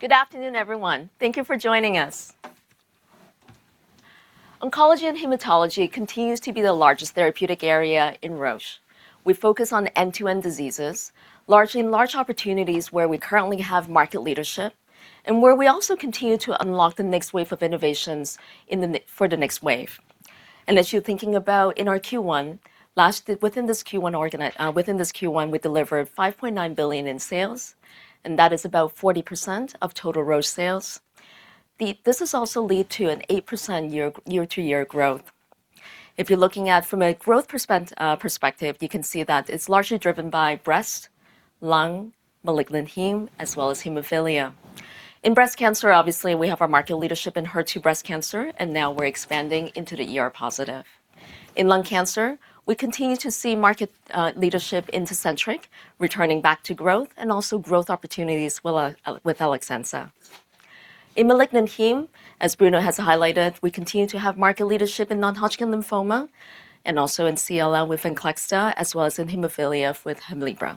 Good afternoon, everyone. Thank you for joining us. Oncology and hematology continues to be the largest therapeutic area in Roche. We focus on end-to-end diseases, largely in large opportunities where we currently have market leadership and where we also continue to unlock the next wave of innovations for the next wave. As you're thinking about in our Q1, within this Q1, we delivered 5.9 billion in sales, that is about 40% of total Roche sales. This has also led to an 8% year-to-year growth. If you're looking at from a growth perspective, you can see that it's largely driven by breast, lung, malignant heme, as well as hemophilia. In breast cancer, obviously, we have our market leadership in HER2 breast cancer, and now we're expanding into the ER-positive. In lung cancer, we continue to see market leadership in Tecentriq, returning back to growth and also growth opportunities with Alecensa. In malignant heme, as Bruno has highlighted, we continue to have market leadership in non-Hodgkin lymphoma and also in CLL with Venclexta, as well as in hemophilia with Hemlibra.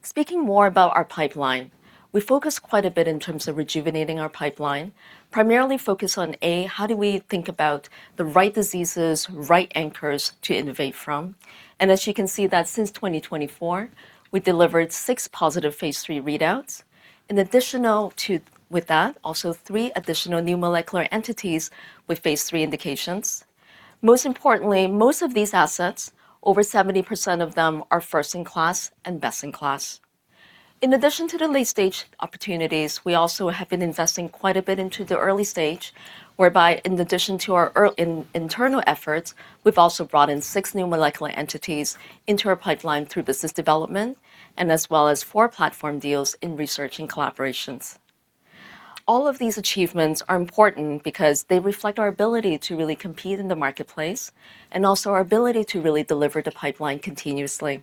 Speaking more about our pipeline. We focus quite a bit in terms of rejuvenating our pipeline, primarily focus on A, how do we think about the right diseases, right anchors to innovate from? As you can see that since 2024, we delivered six positive phase III readouts. In additional with that, also three additional new molecular entities with phase III indications. Most importantly, most of these assets, over 70% of them are first-in-class and best-in-class. In addition to the late-stage opportunities, we also have been investing quite a bit into the early stage, whereby in addition to our internal efforts, we've also brought in six new molecular entities into our pipeline through business development and as well as four platform deals in research and collaborations. All of these achievements are important because they reflect our ability to really compete in the marketplace and also our ability to really deliver the pipeline continuously.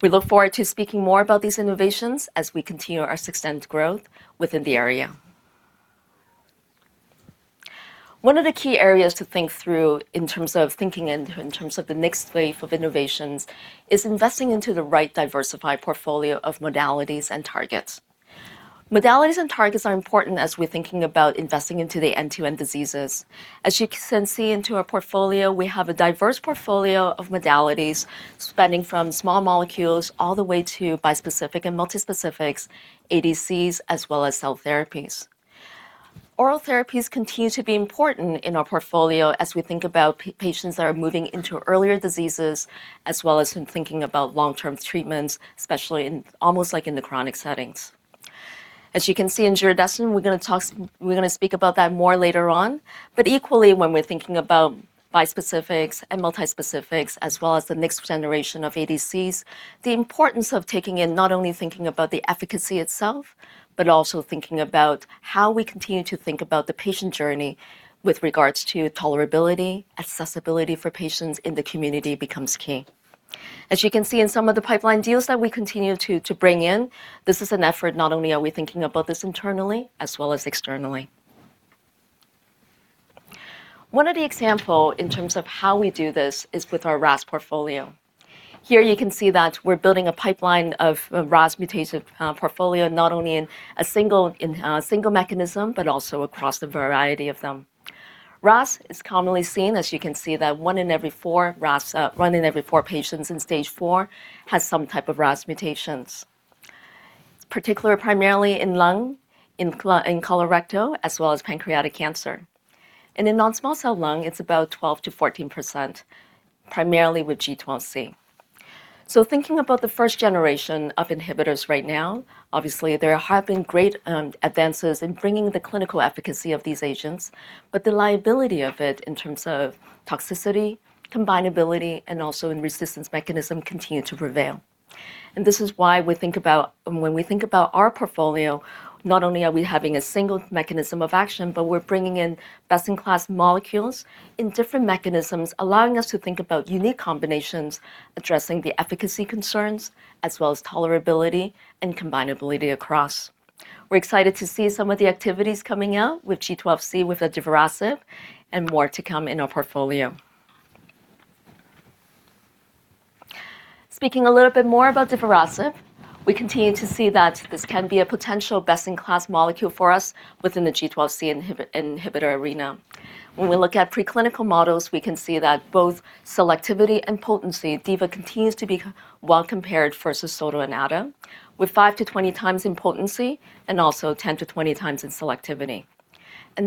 We look forward to speaking more about these innovations as we continue our sustained growth within the area. One of the key areas to think through in terms of thinking in terms of the next wave of innovations is investing into the right diversified portfolio of modalities and targets. Modalities and targets are important as we're thinking about investing into the end-to-end diseases. As you can see into our portfolio, we have a diverse portfolio of modalities spanning from small molecules all the way to bispecific and multispecifics, ADCs, as well as cell therapies. Oral therapies continue to be important in our portfolio as we think about patients that are moving into earlier diseases, as well as in thinking about long-term treatments, especially in almost like in the chronic settings. As you can see in giredestrant, we're going to speak about that more later on. Equally, when we're thinking about bispecifics and multispecifics, as well as the next generation of ADCs, the importance of taking in not only thinking about the efficacy itself, but also thinking about how we continue to think about the patient journey with regards to tolerability, accessibility for patients in the community becomes key. As you can see in some of the pipeline deals that we continue to bring in, this is an effort, not only are we thinking about this internally as well as externally. One of the example in terms of how we do this is with our RAS portfolio. Here you can see that we're building a pipeline of RAS mutative portfolio, not only in a single mechanism, but also across a variety of them. RAS is commonly seen, as you can see, that one in every four patients in stage IV has some type of RAS mutations, particularly primarily in lung, in colorectal, as well as pancreatic cancer. In non-small cell lung, it's about 12%-14%, primarily with G12C. Thinking about the first generation of inhibitors right now, obviously, there have been great advances in bringing the clinical efficacy of these agents, but the liability of it in terms of toxicity, combinability, and also in resistance mechanism continue to prevail. This is why when we think about our portfolio, not only are we having a single mechanism of action, but we're bringing in best-in-class molecules in different mechanisms, allowing us to think about unique combinations, addressing the efficacy concerns, as well as tolerability and combinability across. We're excited to see some of the activities coming out with G12C with the divarasib and more to come in our portfolio. Speaking a little bit more about divarasib, we continue to see that this can be a potential best-in-class molecule for us within the G12C inhibitor arena. When we look at preclinical models, we can see that both selectivity and potency, divarasib continues to be well compared versus sotorasib and adagrasib, with five to 20 times in potency and also 10-20 times in selectivity.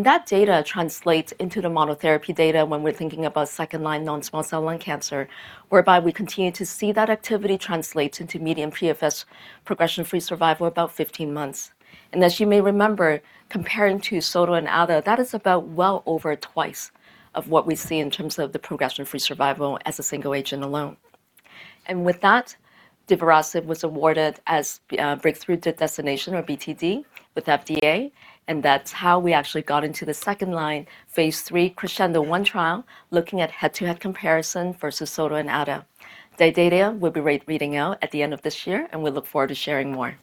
That data translates into the monotherapy data when we're thinking about second-line non-small cell lung cancer, whereby we continue to see that activity translates into median PFS, progression-free survival, about 15 months. As you may remember, comparing to sotorasib and adagrasib, that is about well over twice of what we see in terms of the progression-free survival as a single agent alone. With that, divarasib was awarded as a Breakthrough Designation, or BTD, with FDA, and that's how we actually got into the second-line phase III KRASCENDO-1 trial, looking at head-to-head comparison versus sotorasib and adagrasib. That data will be reading out at the end of this year. We look forward to sharing more.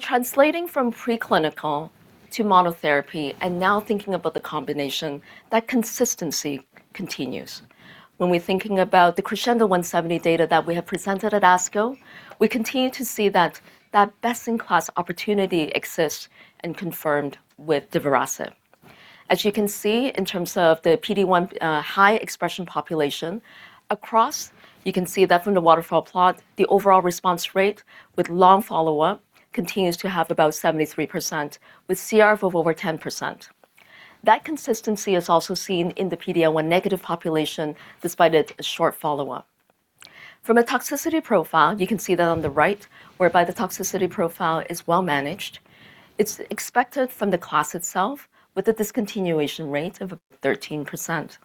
Translating from preclinical to monotherapy and now thinking about the combination, that consistency continues. When we're thinking about the KRASCENDO-1 study data that we have presented at ASCO, we continue to see that best-in-class opportunity exists and confirmed with divarasib. As you can see, in terms of the PD-1 high expression population across, you can see that from the waterfall plot, the overall response rate with long follow-up continues to have about 73% with CR of over 10%. That consistency is also seen in the PD-L1 negative population, despite a short follow-up. From a toxicity profile, you can see that on the right, whereby the toxicity profile is well managed. It's expected from the class itself with a discontinuation rate of 13%.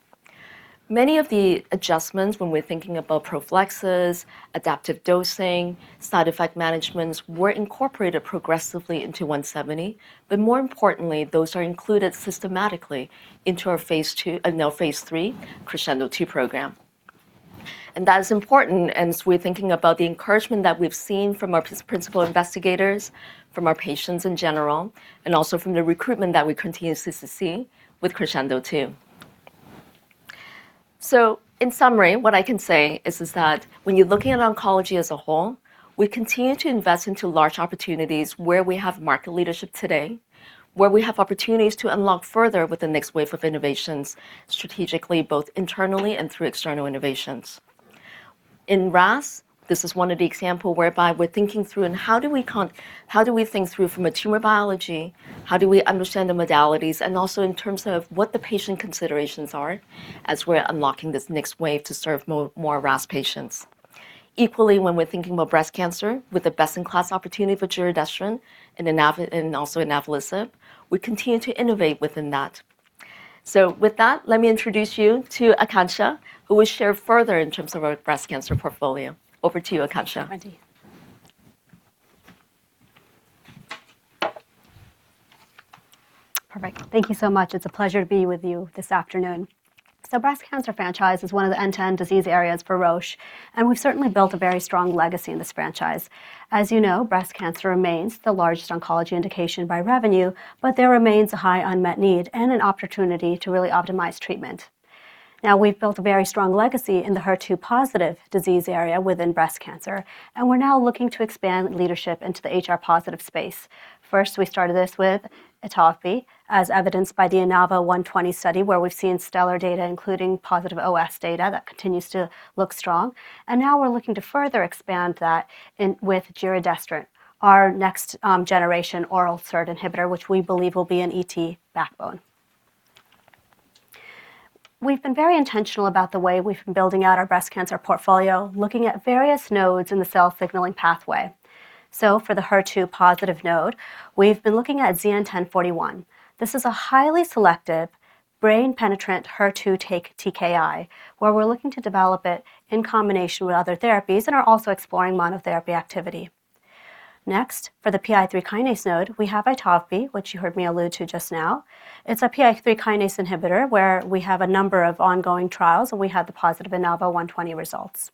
Many of the adjustments when we're thinking about prophylaxis, adaptive dosing, side effect managements were incorporated progressively into 170. More importantly, those are included systematically into our phase II, and now phase III KRASCENDO-2 program. That is important as we're thinking about the encouragement that we've seen from our principal investigators, from our patients in general, and also from the recruitment that we continuously see with KRASCENDO-2. In summary, what I can say is that when you're looking at oncology as a whole, we continue to invest into large opportunities where we have market leadership today, where we have opportunities to unlock further with the next wave of innovations strategically, both internally and through external innovations. In RAS, this is one of the example whereby we're thinking through and how do we think through from a tumor biology, how do we understand the modalities, and also in terms of what the patient considerations are as we're unlocking this next wave to serve more RAS patients. Equally, when we're thinking about breast cancer, with the best-in-class opportunity for giredestrant and also inavolisib, we continue to innovate within that. With that, let me introduce you to Aakanksha, who will share further in terms of our breast cancer portfolio. Over to you, Aakanksha. Thank you. Perfect. Thank you so much. It's a pleasure to be with you this afternoon. Breast cancer franchise is one of the NCCN disease areas for Roche, and we've certainly built a very strong legacy in this franchise. As you know, breast cancer remains the largest oncology indication by revenue, but there remains a high unmet need and an opportunity to really optimize treatment. We've built a very strong legacy in the HER2-positive disease area within breast cancer, and we're now looking to expand leadership into the HR-positive space. We started this with Itovebi, as evidenced by the INAVO120 study, where we've seen stellar data, including positive OS data that continues to look strong. Now we're looking to further expand that with giredestrant, our next generation oral SERD inhibitor, which we believe will be an ET backbone. We've been very intentional about the way we've been building out our breast cancer portfolio, looking at various nodes in the cell signaling pathway. For the HER2-positive node, we've been looking at ZN-1041. This is a highly selective brain-penetrant HER2 TKI, where we're looking to develop it in combination with other therapies and are also exploring monotherapy activity. For the PI3 kinase node, we have Itovebi, which you heard me allude to just now. It's a PI3 kinase inhibitor where we have a number of ongoing trials, and we have the positive INAVO120 results.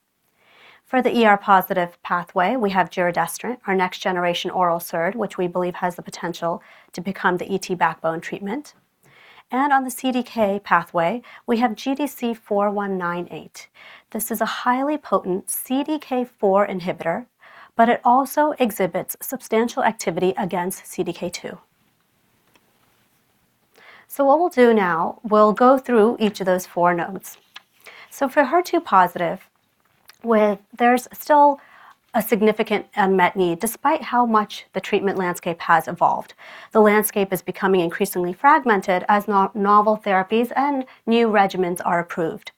For the ER-positive pathway, we have giredestrant, our next-generation oral SERD, which we believe has the potential to become the ET backbone treatment. On the CDK pathway, we have GDC-4198. This is a highly potent CDK4 inhibitor, but it also exhibits substantial activity against CDK2. What we'll do now, we'll go through each of those four nodes. For HER2-positive, there's still a significant unmet need, despite how much the treatment landscape has evolved. The landscape is becoming increasingly fragmented as novel therapies and new regimens are approved.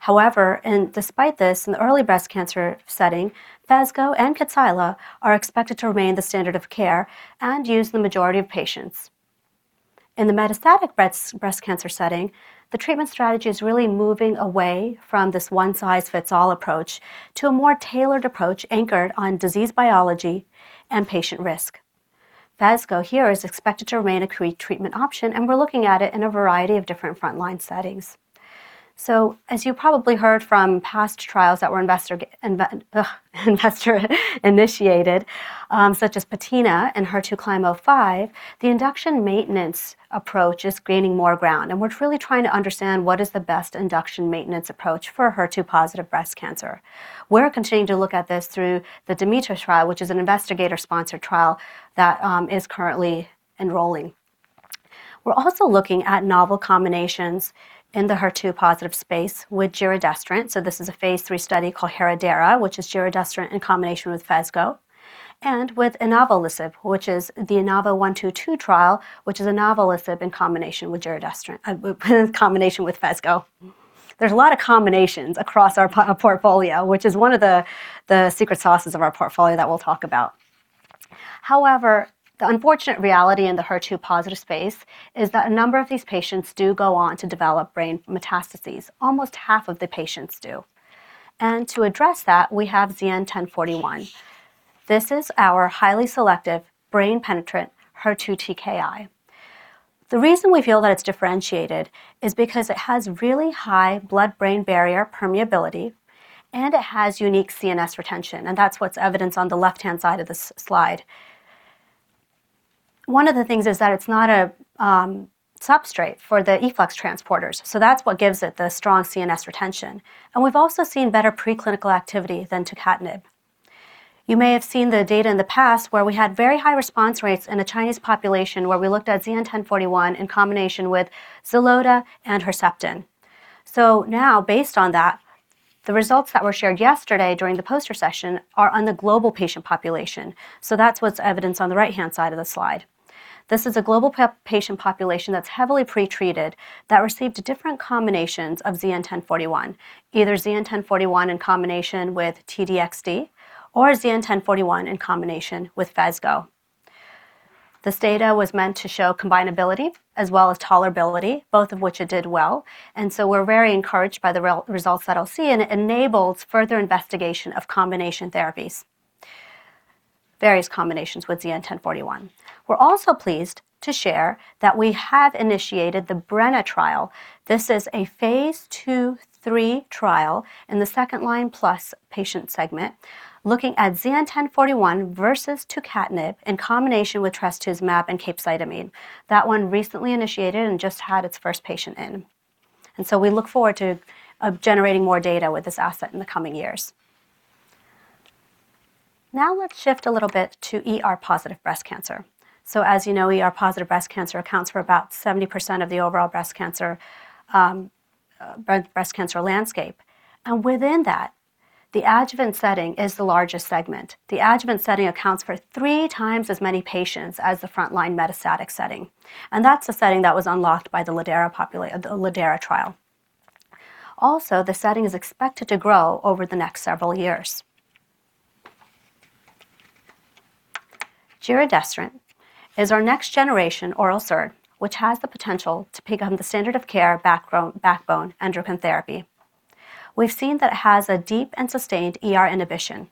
However, and despite this, in the early breast cancer setting, Phesgo and Kadcyla are expected to remain the standard of care and used in the majority of patients. In the metastatic breast cancer setting, the treatment strategy is really moving away from this one-size-fits-all approach to a more tailored approach anchored on disease biology and patient risk. Phesgo here is expected to remain a key treatment option, and we're looking at it in a variety of different frontline settings. As you probably heard from past trials that were investor-initiated, such as PATINA and HER2CLIMB-05, the induction maintenance approach is gaining more ground, and we're truly trying to understand what is the best induction maintenance approach for HER2-positive breast cancer. We're continuing to look at this through the DEMETHER trial, which is an investigator-sponsored trial that is currently enrolling. We're also looking at novel combinations in the HER2-positive space with giredestrant. This is a phase III study called heredERA, which is giredestrant in combination with Phesgo, and with inavolisib, which is the INAVO122 trial, which is inavolisib in combination with giredestrant in combination with Phesgo. There's a lot of combinations across our portfolio, which is one of the secret sauces of our portfolio that we'll talk about. However, the unfortunate reality in the HER2-positive space is that a number of these patients do go on to develop brain metastases. Almost half of the patients do. To address that, we have ZN-1041. This is our highly selective brain-penetrant HER2 TKI. The reason we feel that it's differentiated is because it has really high blood-brain barrier permeability, and it has unique CNS retention, and that's what's evidenced on the left-hand side of the slide. One of the things is that it's not a substrate for the efflux transporters. That's what gives it the strong CNS retention. We've also seen better preclinical activity than tucatinib. You may have seen the data in the past where we had very high response rates in a Chinese population, where we looked at ZN-1041 in combination with Xeloda and Herceptin. Based on that, the results that were shared yesterday during the poster session are on the global patient population. That's what's evidenced on the right-hand side of the slide. This is a global patient population that's heavily pretreated that received different combinations of ZN-1041, either ZN-1041 in combination with T-DXd or ZN-1041 in combination with Phesgo. This data was meant to show combinability as well as tolerability, both of which it did well, we're very encouraged by the results that I'll see, and it enables further investigation of combination therapies. Various combinations with ZN-1041. We're also pleased to share that we have initiated the BREnnA trial. This is a phase II-III trial in the second line plus patient segment looking at ZN-1041 versus tucatinib in combination with trastuzumab and capecitabine. That one recently initiated and just had its first patient in. We look forward to generating more data with this asset in the coming years. Now let's shift a little bit to ER-positive breast cancer. As you know, ER-positive breast cancer accounts for about 70% of the overall breast cancer landscape. Within that, the adjuvant setting is the largest segment. The adjuvant setting accounts for three times as many patients as the front-line metastatic setting. That's the setting that was unlocked by the lidERA trial. Also, the setting is expected to grow over the next several years. giredestrant is our next-generation oral SERD, which has the potential to become the standard of care backbone endocrine therapy. We've seen that it has a deep and sustained ER inhibition.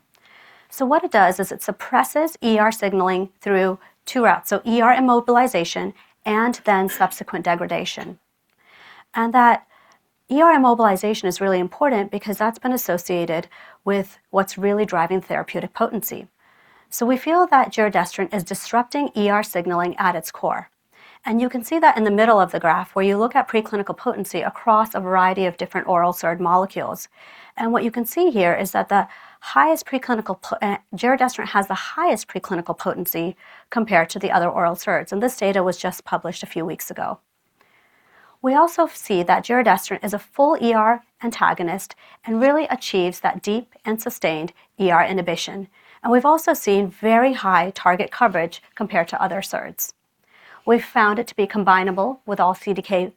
What it does is it suppresses ER signaling through two routes, so ER immobilization and then subsequent degradation. That ER immobilization is really important because that's been associated with what's really driving therapeutic potency. We feel that giredestrant is disrupting ER signaling at its core. You can see that in the middle of the graph, where you look at preclinical potency across a variety of different oral SERD molecules. What you can see here is that giredestrant has the highest preclinical potency compared to the other oral SERDs, and this data was just published a few weeks ago. We also see that giredestrant is a full ER antagonist and really achieves that deep and sustained ER inhibition. We've also seen very high target coverage compared to other SERDs. We've found it to be combinable with all CDK4/6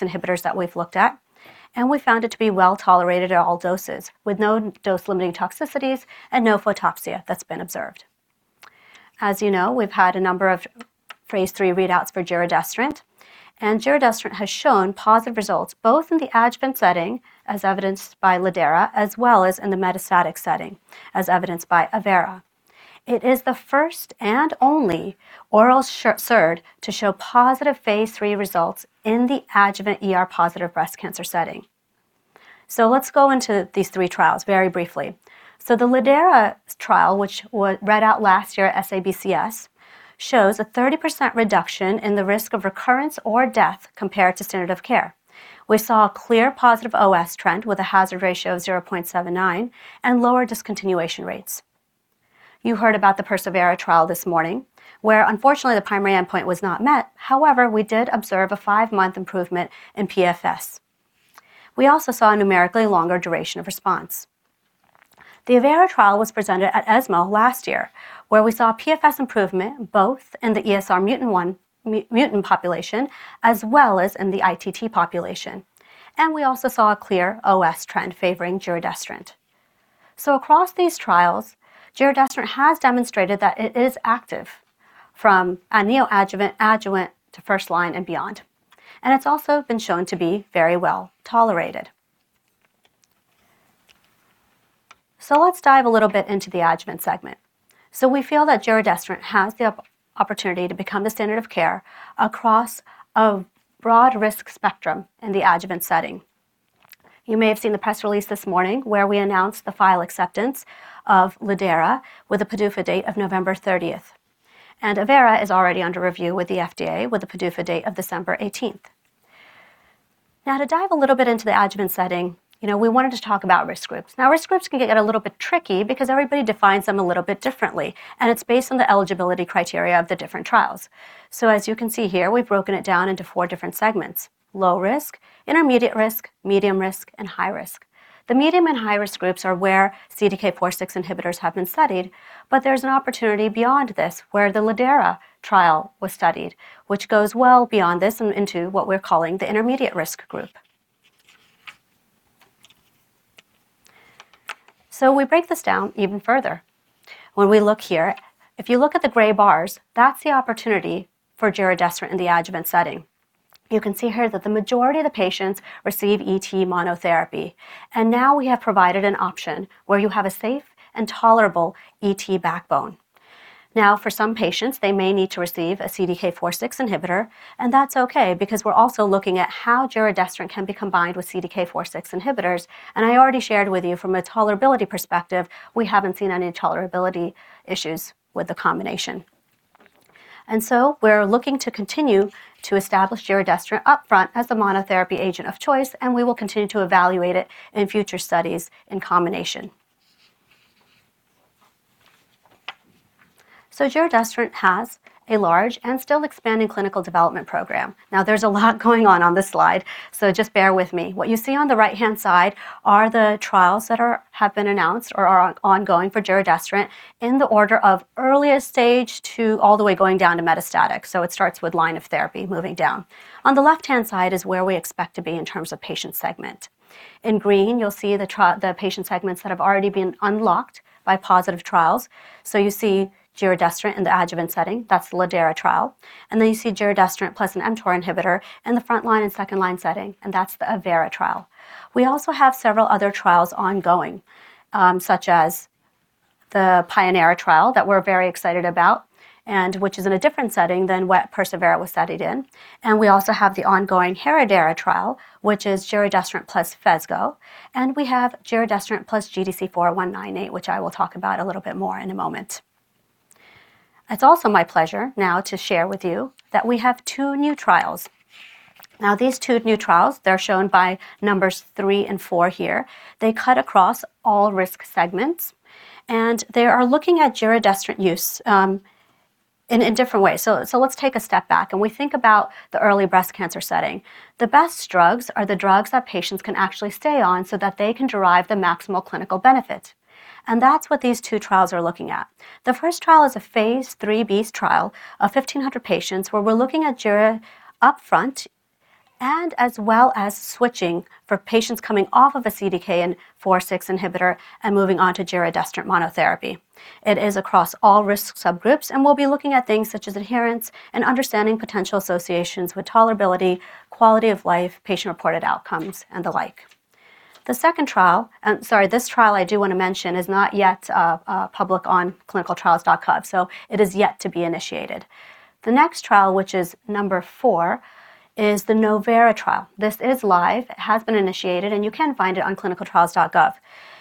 inhibitors that we've looked at, and we've found it to be well-tolerated at all doses, with no dose-limiting toxicities and no photopsia that's been observed. As you know, we've had a number of phase III readouts for giredestrant, and giredestrant has shown positive results both in the adjuvant setting, as evidenced by lidERA, as well as in the metastatic setting, as evidenced by evERA. It is the first and only oral SERD to show positive phase III results in the adjuvant ER-positive breast cancer setting. Let's go into these three trials very briefly. The lidERA trial, which read out last year at SABCS, shows a 30% reduction in the risk of recurrence or death compared to standard of care. We saw a clear positive OS trend with a hazard ratio of 0.79x and lower discontinuation rates. You heard about the persevERA trial this morning, where unfortunately the primary endpoint was not met. However, we did observe a five-month improvement in PFS. We also saw a numerically longer duration of response. The evERA trial was presented at ESMO last year, where we saw PFS improvement both in the ESR1 mutant population as well as in the ITT population. We also saw a clear OS trend favoring giredestrant. Across these trials, giredestrant has demonstrated that it is active from neoadjuvant to first-line and beyond. It has also been shown to be very well-tolerated. Let's dive a little bit into the adjuvant segment. We feel that giredestrant has the opportunity to become the standard of care across a broad risk spectrum in the adjuvant setting. You may have seen the press release this morning where we announced the file acceptance of lidERA with a PDUFA date of November 30th. evERA is already under review with the FDA with a PDUFA date of December 18th. To dive a little bit into the adjuvant setting, we wanted to talk about risk groups. Risk groups can get a little bit tricky because everybody defines them a little bit differently, and it's based on the eligibility criteria of the different trials. As you can see here, we've broken it down into four different segments: low risk, intermediate risk, medium risk, and high risk. The medium and high-risk groups are where CDK4/6 inhibitors have been studied, but there's an opportunity beyond this where the lidERA trial was studied, which goes well beyond this and into what we're calling the intermediate risk group. We break this down even further. When we look here, if you look at the gray bars, that's the opportunity for giredestrant in the adjuvant setting. You can see here that the majority of the patients receive ET monotherapy. Now we have provided an option where you have a safe and tolerable ET backbone. For some patients, they may need to receive a CDK4/6 inhibitor, and that's okay because we're also looking at how giredestrant can be combined with CDK4/6 inhibitors. I already shared with you from a tolerability perspective, we haven't seen any tolerability issues with the combination. We're looking to continue to establish giredestrant upfront as the monotherapy agent of choice, and we will continue to evaluate it in future studies in combination. Giredestrant has a large and still expanding clinical development program. There's a lot going on on this slide, so just bear with me. What you see on the right-hand side are the trials that have been announced or are ongoing for giredestrant in the order of earliest stage all the way going down to metastatic. It starts with line of therapy moving down. On the left-hand side is where we expect to be in terms of patient segment. In green, you'll see the patient segments that have already been unlocked by positive trials. You see giredestrant in the adjuvant setting, that's the lidERA trial. Then you see giredestrant plus an mTOR inhibitor in the frontline and second-line setting, and that's the evERA trial. We also have several other trials ongoing, such as the pionERA trial that we're very excited about, and which is in a different setting than what persevERA was studied in. We also have the ongoing heredERA trial, which is giredestrant plus Phesgo. We have giredestrant plus GDC-4198, which I will talk about a little bit more in a moment. It's also my pleasure now to share with you that we have two new trials. These two new trials, they're shown by numbers three and four here. They cut across all risk segments and they are looking at giredestrant use in different ways. Let's take a step back and we think about the early breast cancer setting. The best drugs are the drugs that patients can actually stay on so that they can derive the maximal clinical benefit. That's what these two trials are looking at. The first trial is a phase IIIb trial of 1,500 patients where we're looking at gire upfront and as well as switching for patients coming off of a CDK4/6 inhibitor and moving on to giredestrant monotherapy. It is across all risk subgroups, and we'll be looking at things such as adherence and understanding potential associations with tolerability, quality of life, patient-reported outcomes, and the like. This trial I do want to mention is not yet public on clinicaltrials.gov, so it is yet to be initiated. The next trial, which is number four, is the novERA trial. This is live. It has been initiated, and you can find it on clinicaltrials.gov.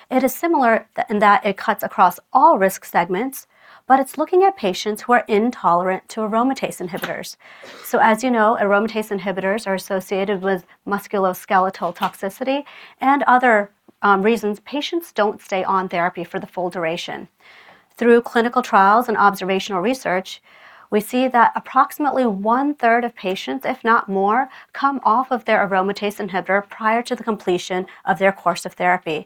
It is similar in that it cuts across all risk segments, but it's looking at patients who are intolerant to aromatase inhibitors. As you know, aromatase inhibitors are associated with musculoskeletal toxicity and other reasons patients don't stay on therapy for the full duration. Through clinical trials and observational research, we see that approximately 1/3 of patients, if not more, come off of their aromatase inhibitor prior to the completion of their course of therapy.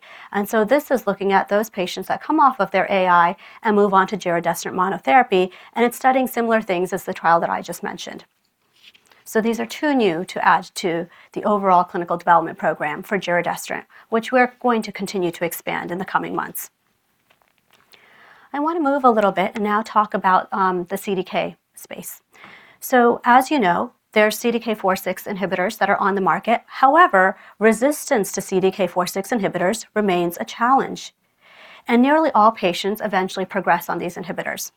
This is looking at those patients that come off of their AI and move on to giredestrant monotherapy, and it's studying similar things as the trial that I just mentioned. These are two new to add to the overall clinical development program for giredestrant, which we're going to continue to expand in the coming months. I want to move a little bit and now talk about the CDK space. As you know, there are CDK4/6 inhibitors that are on the market. However, resistance to CDK4/6 inhibitors remains a challenge, and nearly all patients eventually progress on these inhibitors.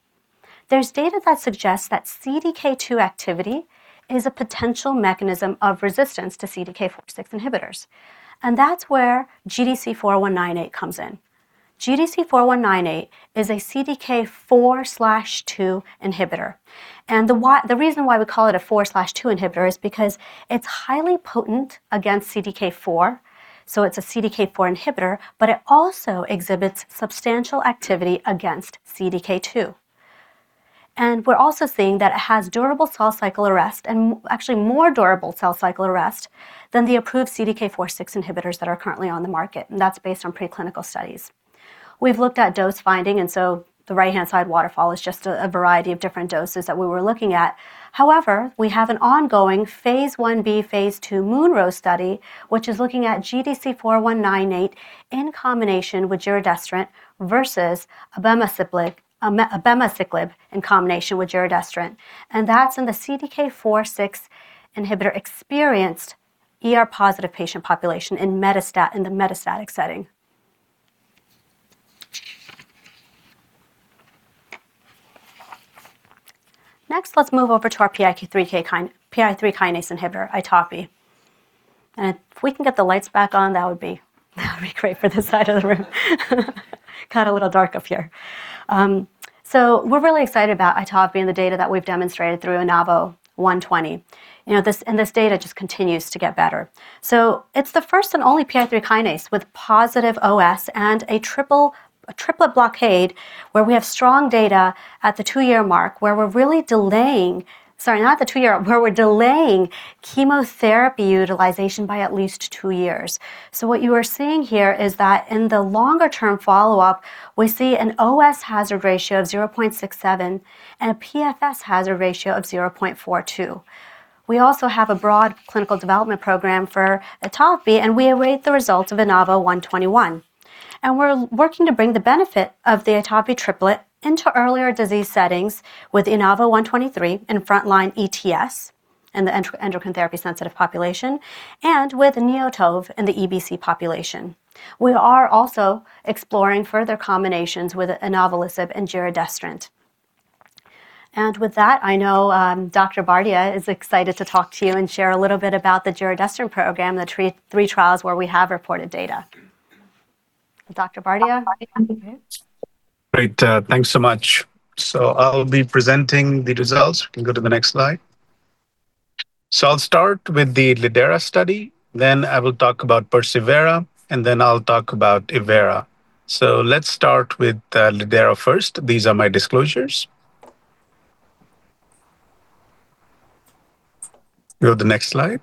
There's data that suggests that CDK2 activity is a potential mechanism of resistance to CDK4/6 inhibitors, and that's where GDC-4198 comes in. GDC-4198 is a CDK4/2 inhibitor. The reason why we call it a 4/2 inhibitor is because it's highly potent against CDK4, so it's a CDK4 inhibitor, but it also exhibits substantial activity against CDK2. We're also seeing that it has durable cell cycle arrest and actually more durable cell cycle arrest than the approved CDK4/6 inhibitors that are currently on the market. That's based on preclinical studies. We've looked at dose finding, and so the right-hand side waterfall is just a variety of different doses that we were looking at. However, we have an ongoing phase I-B/II MONRO study, which is looking at GDC-4198 in combination with giredestrant versus abemaciclib in combination with giredestrant. That's in the CDK4/6 inhibitor-experienced ER-positive patient population in the metastatic setting. Next, let's move over to our PI3K kinase inhibitor, Itovebi. If we can get the lights back on, that would be great for this side of the room. Got a little dark up here. We're really excited about Itovebi and the data that we've demonstrated through INAVO120. This data just continues to get better. It's the first and only PI3 kinase with positive OS and a triplet blockade where we have strong data at the two-year mark. Where we're delaying chemotherapy utilization by at least two years. What you are seeing here is that in the longer-term follow-up, we see an OS hazard ratio of 0.67x and a PFS hazard ratio of 0.42x. We also have a broad clinical development program for Itovebi, and we await the results of INAVO121. We're working to bring the benefit of the Itovebi triplet into earlier disease settings with INAVO123 in frontline ETS in the endocrine therapy sensitive population and with neoTOVE in the EBC population. We are also exploring further combinations with inavolisib and giredestrant. With that, I know Aditya Bardia is excited to talk to you and share a little bit about the giredestrant program, the three trials where we have reported data. Aditya Bardia? Great. Thanks so much. I'll be presenting the results. We can go to the next slide. I'll start with the lidERA study, then I will talk about persevERA, and then I'll talk about evERA. Let's start with lidERA first. These are my disclosures. Go to the next slide.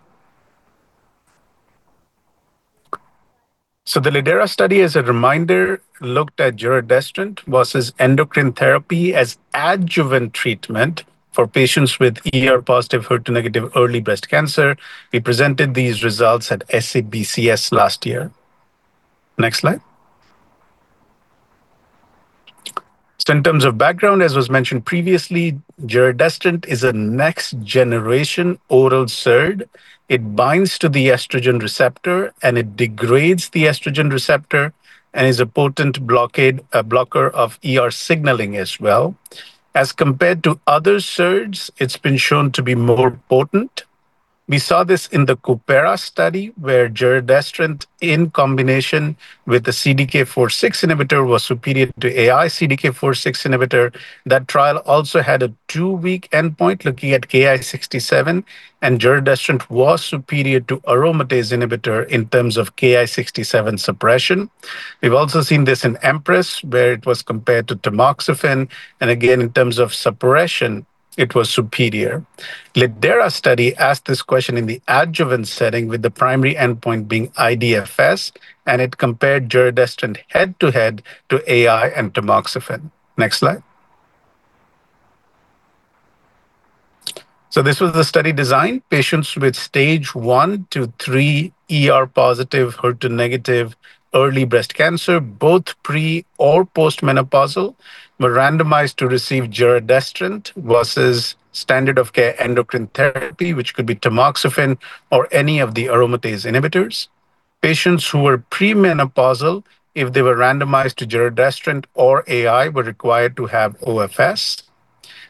The lidERA study, as a reminder, looked at giredestrant versus endocrine therapy as adjuvant treatment for patients with ER-positive, HER2-negative early breast cancer. We presented these results at SABCS last year. Next slide. In terms of background, as was mentioned previously, giredestrant is a next-generation oral SERD. It binds to the estrogen receptor, and it degrades the estrogen receptor and is a potent blocker of ER signaling as well. As compared to other SERDs, it's been shown to be more potent. We saw this in the coopERA study, where giredestrant in combination with the CDK4/6 inhibitor was superior to AI CDK4/6 inhibitor. That trial also had a two-week endpoint looking at Ki67, giredestrant was superior to aromatase inhibitor in terms of Ki67 suppression. We've also seen this in EMPRESS, where it was compared to tamoxifen, again, in terms of suppression, it was superior. lidERA study asked this question in the adjuvant setting with the primary endpoint being iDFS, it compared giredestrant head-to-head to AI and tamoxifen. Next slide. This was the study design. Patients with Stage 1 to Stage 3 ER-positive, HER2-negative early breast cancer, both pre or post-menopausal, were randomized to receive giredestrant versus standard of care endocrine therapy, which could be tamoxifen or any of the aromatase inhibitors. Patients who were pre-menopausal, if they were randomized to giredestrant or AI, were required to have OFS.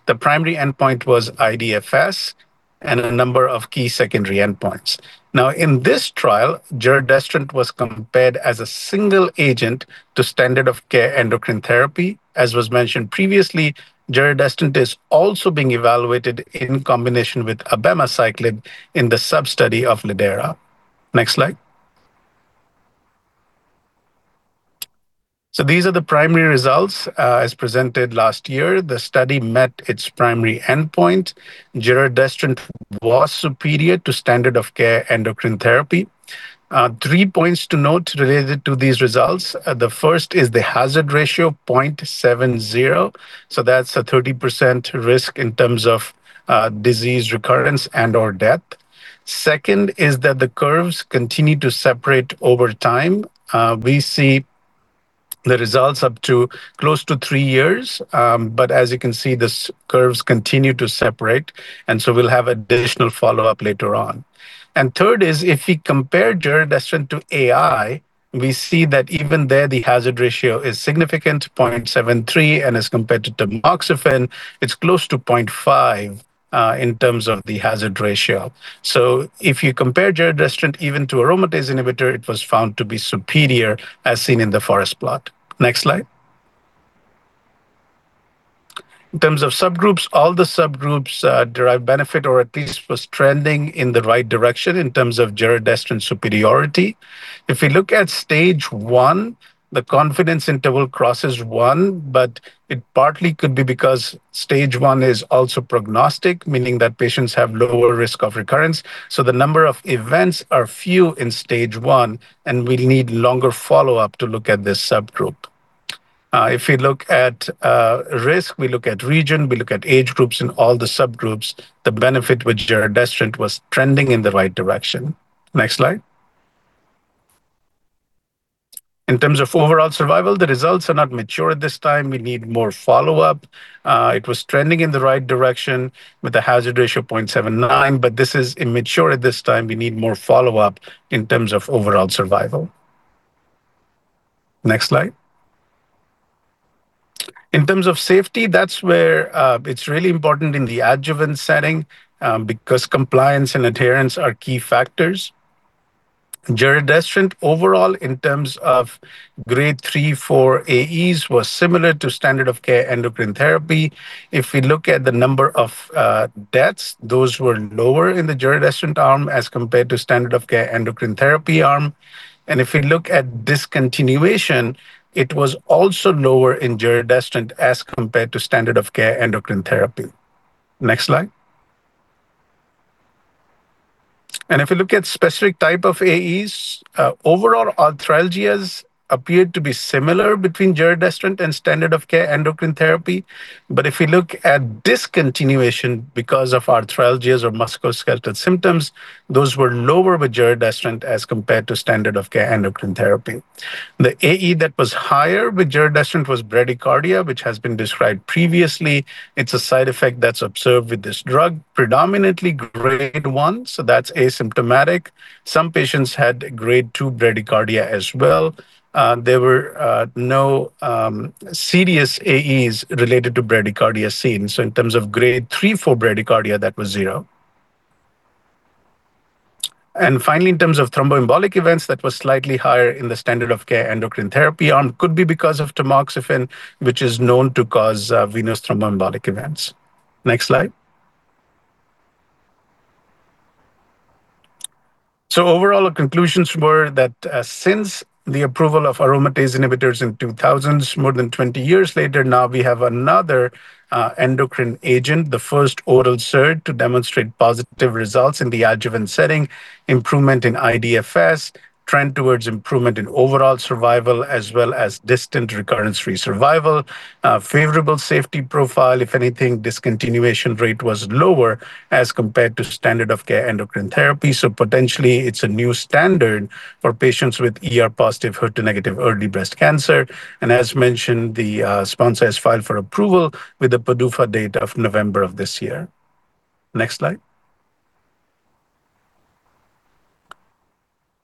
The primary endpoint was iDFS and a number of key secondary endpoints. In this trial, giredestrant was compared as a single agent to standard of care endocrine therapy. As was mentioned previously, giredestrant is also being evaluated in combination with abemaciclib in the sub-study of lidERA. Next slide. These are the primary results, as presented last year. The study met its primary endpoint. Giredestrant was superior to standard of care endocrine therapy. Three points to note related to these results. The first is the hazard ratio, .70. That's a 30% risk in terms of disease recurrence and/or death. Second is that the curves continue to separate over time. We see the results up to close to three years. As you can see, the curves continue to separate, we'll have additional follow-up later on. Third is, if we compare giredestrant to AI, we see that even there, the hazard ratio is significant, 0.73x, and as compared to tamoxifen, it's close to 0.5x in terms of the hazard ratio. If you compare giredestrant even to aromatase inhibitor, it was found to be superior, as seen in the forest plot. Next slide. In terms of subgroups, all the subgroups derived benefit or at least was trending in the right direction in terms of giredestrant superiority. If we look at Stage 1, the confidence interval crosses one, but it partly could be because Stage 1 is also prognostic, meaning that patients have lower risk of recurrence. The number of events are few in Stage 1, and we'll need longer follow-up to look at this subgroup. We look at risk, we look at region, we look at age groups in all the subgroups, the benefit with giredestrant was trending in the right direction. Next slide. In terms of overall survival, the results are not mature at this time. We need more follow-up. It was trending in the right direction with a hazard ratio 0.79x, this is immature at this time. We need more follow-up in terms of overall survival. Next slide. In terms of safety, that's where it's really important in the adjuvant setting, because compliance and adherence are key factors. giredestrant overall in terms of Grade 3, Grade 4 AEs was similar to standard of care endocrine therapy. We look at the number of deaths, those were lower in the giredestrant arm as compared to standard of care endocrine therapy arm. If we look at discontinuation, it was also lower in giredestrant as compared to standard of care endocrine therapy. Next slide. If you look at specific type of AEs, overall arthralgias appeared to be similar between giredestrant and standard of care endocrine therapy. If we look at discontinuation because of arthralgias or musculoskeletal symptoms, those were lower with giredestrant as compared to standard of care endocrine therapy. The AE that was higher with giredestrant was bradycardia, which has been described previously. It's a side effect that's observed with this drug, predominantly Grade 1, so that's asymptomatic. Some patients had Grade 2 bradycardia as well. There were no serious AEs related to bradycardia seen. In terms of Grade 3 for bradycardia, that was zero. Finally, in terms of thromboembolic events, that was slightly higher in the standard of care endocrine therapy arm. Could be because of tamoxifen, which is known to cause venous thromboembolic events. Next slide. Overall, the conclusions were that since the approval of aromatase inhibitors in 2000, more than 20 years later, now we have another endocrine agent, the first oral SERD, to demonstrate positive results in the adjuvant setting, improvement in iDFS, trend towards improvement in overall survival, as well as distant recurrence-free survival. A favorable safety profile. If anything, discontinuation rate was lower as compared to standard of care endocrine therapy. Potentially, it's a new standard for patients with ER-positive, HER2-negative early breast cancer. As mentioned, the sponsor has filed for approval with the PDUFA date of November of this year. Next slide.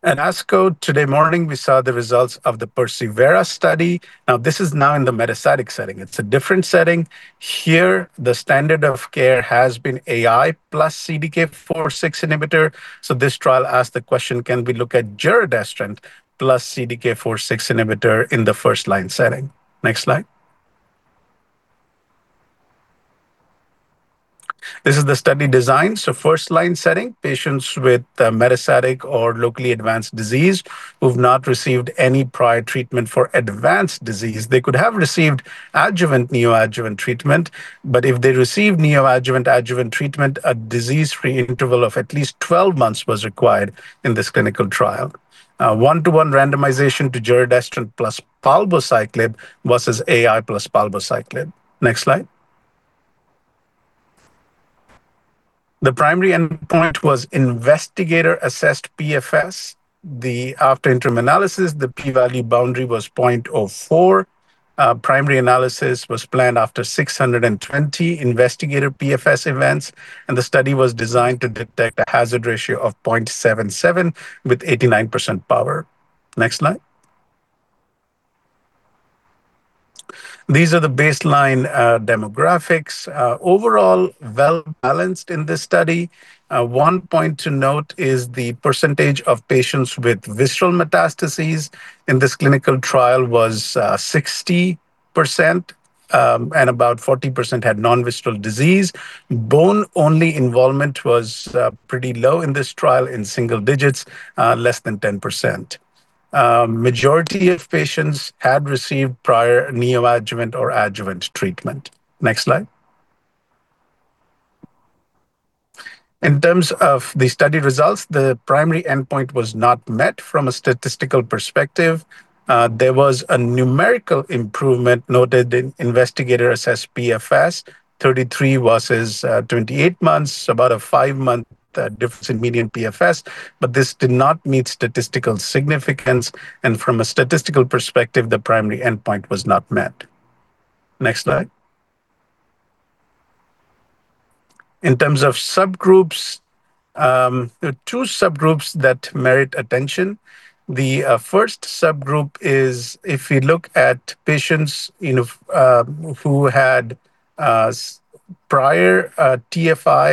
At ASCO today morning, we saw the results of the persevERA study. This is now in the metastatic setting. It's a different setting. Here, the standard of care has been AI plus CDK4/6 inhibitor. This trial asked the question, can we look at giredestrant plus CDK4/6 inhibitor in the first-line setting? Next slide. This is the study design. First line setting, patients with metastatic or locally advanced disease who've not received any prior treatment for advanced disease. They could have received adjuvant, neoadjuvant treatment, but if they received neoadjuvant, adjuvant treatment, a disease-free interval of at least 12 months was required in this clinical trial. One-to-one randomization to giredestrant plus palbociclib versus AI plus palbociclib. Next slide. The primary endpoint was investigator-assessed PFS. After interim analysis, the P value boundary was 0.04. Primary analysis was planned after 620 investigator PFS events, and the study was designed to detect a hazard ratio of 0.77x with 89% power. Next slide. These are the baseline demographics. Overall, well-balanced in this study. One point to note is the percentage of patients with visceral metastases in this clinical trial was 60%, and about 40% had non-visceral disease. Bone-only involvement was pretty low in this trial, in single digits, less than 10%. Majority of patients had received prior neoadjuvant or adjuvant treatment. Next slide. In terms of the study results, the primary endpoint was not met from a statistical perspective. There was a numerical improvement noted in investigator-assessed PFS, 33 versus 28 months, about a five-month difference in median PFS. This did not meet statistical significance. From a statistical perspective, the primary endpoint was not met. Next slide. In terms of subgroups, there are two subgroups that merit attention. The first subgroup is if we look at patients who had prior TFI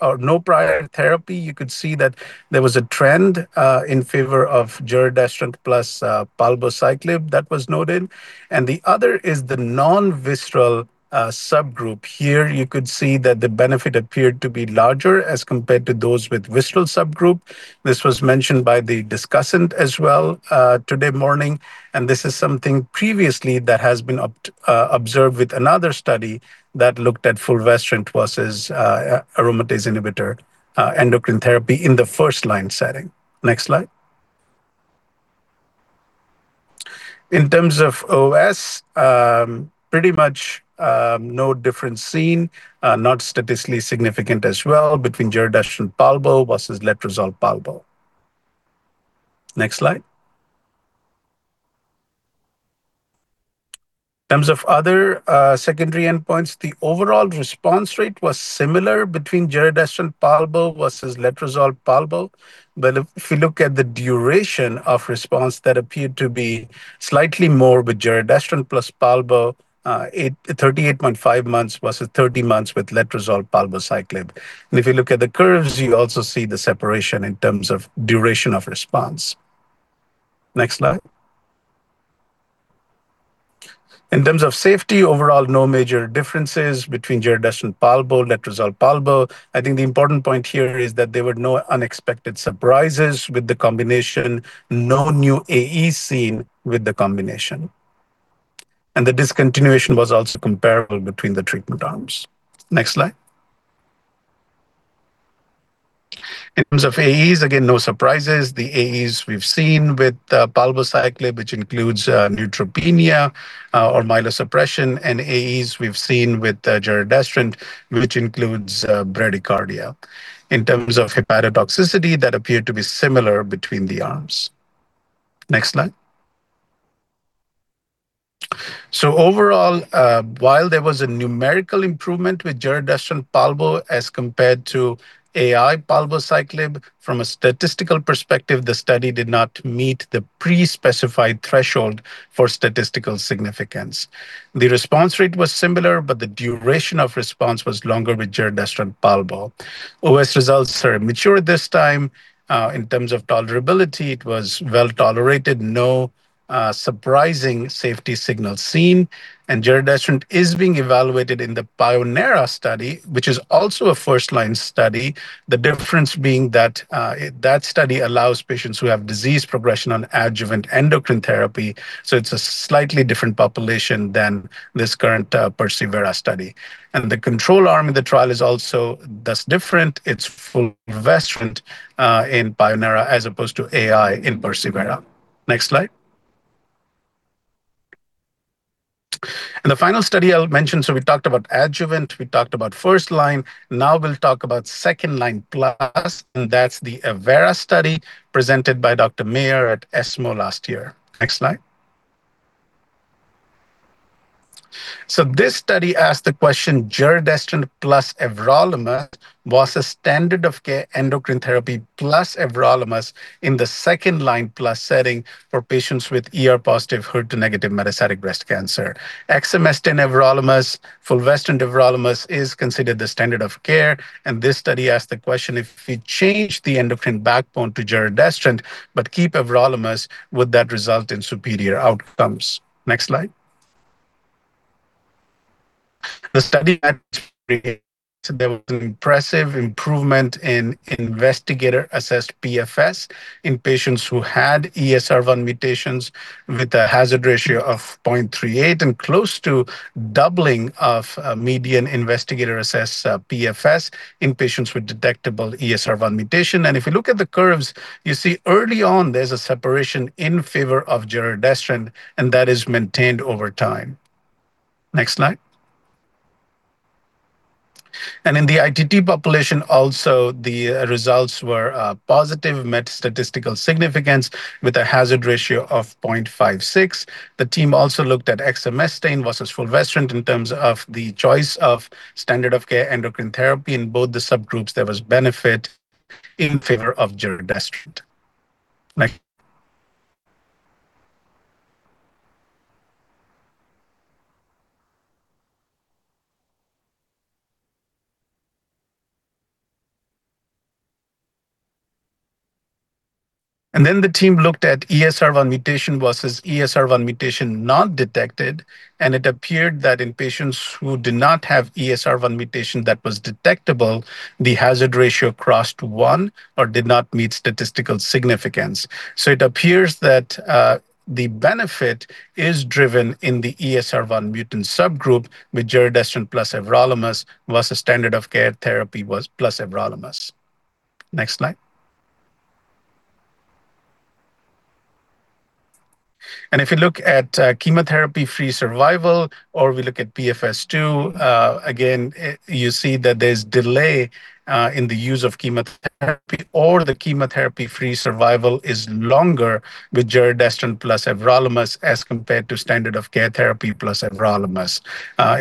or no prior therapy, you could see that there was a trend in favor of giredestrant plus palbociclib that was noted. The other is the non-visceral subgroup. Here, you could see that the benefit appeared to be larger as compared to those with visceral subgroup. This was mentioned by the discussant as well today morning, and this is something previously that has been observed with another study that looked at fulvestrant versus aromatase inhibitor endocrine therapy in the first-line setting. Next slide. In terms of OS, pretty much no difference seen, not statistically significant as well between giredestrant-palbo versus letrozole-palbo. Next slide. In terms of other secondary endpoints, the overall response rate was similar between giredestrant-palbo versus letrozole-palbo. If we look at the duration of response, that appeared to be slightly more with giredestrant plus palbo, 38.5 months versus 30 months with letrozole-palbociclib. If you look at the curves, you also see the separation in terms of duration of response. Next slide. In terms of safety, overall, no major differences between giredestrant-palbo, letrozole-palbo. I think the important point here is that there were no unexpected surprises with the combination. No new AE seen with the combination. The discontinuation was also comparable between the treatment arms. Next slide. In terms of AEs, again, no surprises. The AEs we've seen with palbociclib, which includes neutropenia or myelosuppression. AEs we've seen with giredestrant, which includes bradycardia. In terms of hepatotoxicity, that appeared to be similar between the arms. Next slide. Overall, while there was a numerical improvement with giredestrant/palbo as compared to AI palbociclib, from a statistical perspective, the study did not meet the pre-specified threshold for statistical significance. The response rate was similar, but the duration of response was longer with giredestrant/palbo. OS results are mature this time. In terms of tolerability, it was well-tolerated. No surprising safety signal seen. Giredestrant is being evaluated in the pionERA study, which is also a first-line study. The difference being that that study allows patients who have disease progression on adjuvant endocrine therapy, so it's a slightly different population than this current persevERA study. The control arm in the trial is also thus different. It's fulvestrant in pionERA as opposed to AI in persevERA. Next slide. The final study I'll mention, so we talked about adjuvant, we talked about first-line, now we'll talk about second-line plus, and that's the evERA study presented by Dr. Mayer at ESMO last year. Next slide. This study asked the question, giredestrant plus everolimus versus standard of care endocrine therapy plus everolimus in the second-line plus setting for patients with ER-positive, HER2-negative metastatic breast cancer. Exemestane everolimus, fulvestrant everolimus is considered the standard of care. This study asked the question, if we change the endocrine backbone to giredestrant but keep everolimus, would that result in superior outcomes? Next slide. The study had impressive improvement in investigator-assessed PFS in patients who had ESR1 mutations with a hazard ratio of 0.38x and close to doubling of median investigator-assessed PFS in patients with detectable ESR1 mutation. If you look at the curves, you see early on there's a separation in favor of giredestrant, and that is maintained over time. Next slide. In the ITT population also, the results were positive, met statistical significance with a hazard ratio of 0.56x. The team also looked at exemestane versus fulvestrant in terms of the choice of standard of care endocrine therapy. In both the subgroups, there was benefit in favor of giredestrant. Next. The team looked at ESR1 mutation versus ESR1 mutation not detected, and it appeared that in patients who did not have ESR1 mutation that was detectable, the hazard ratio crossed one or did not meet statistical significance. It appears that the benefit is driven in the ESR1 mutant subgroup with giredestrant plus everolimus versus standard of care therapy was plus everolimus. Next slide. If you look at chemotherapy-free survival, or we look at PFS2, again, you see that there's delay in the use of chemotherapy, or the chemotherapy-free survival is longer with giredestrant plus everolimus as compared to standard of care therapy plus everolimus.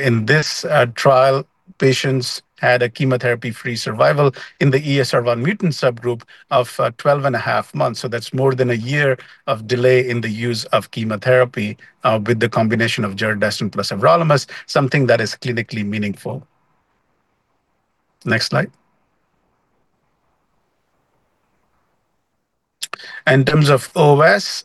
In this trial, patients had a chemotherapy-free survival in the ESR1 mutant subgroup of 12.5 months, so that's more than a year of delay in the use of chemotherapy with the combination of giredestrant plus everolimus, something that is clinically meaningful. Next slide. In terms of OS,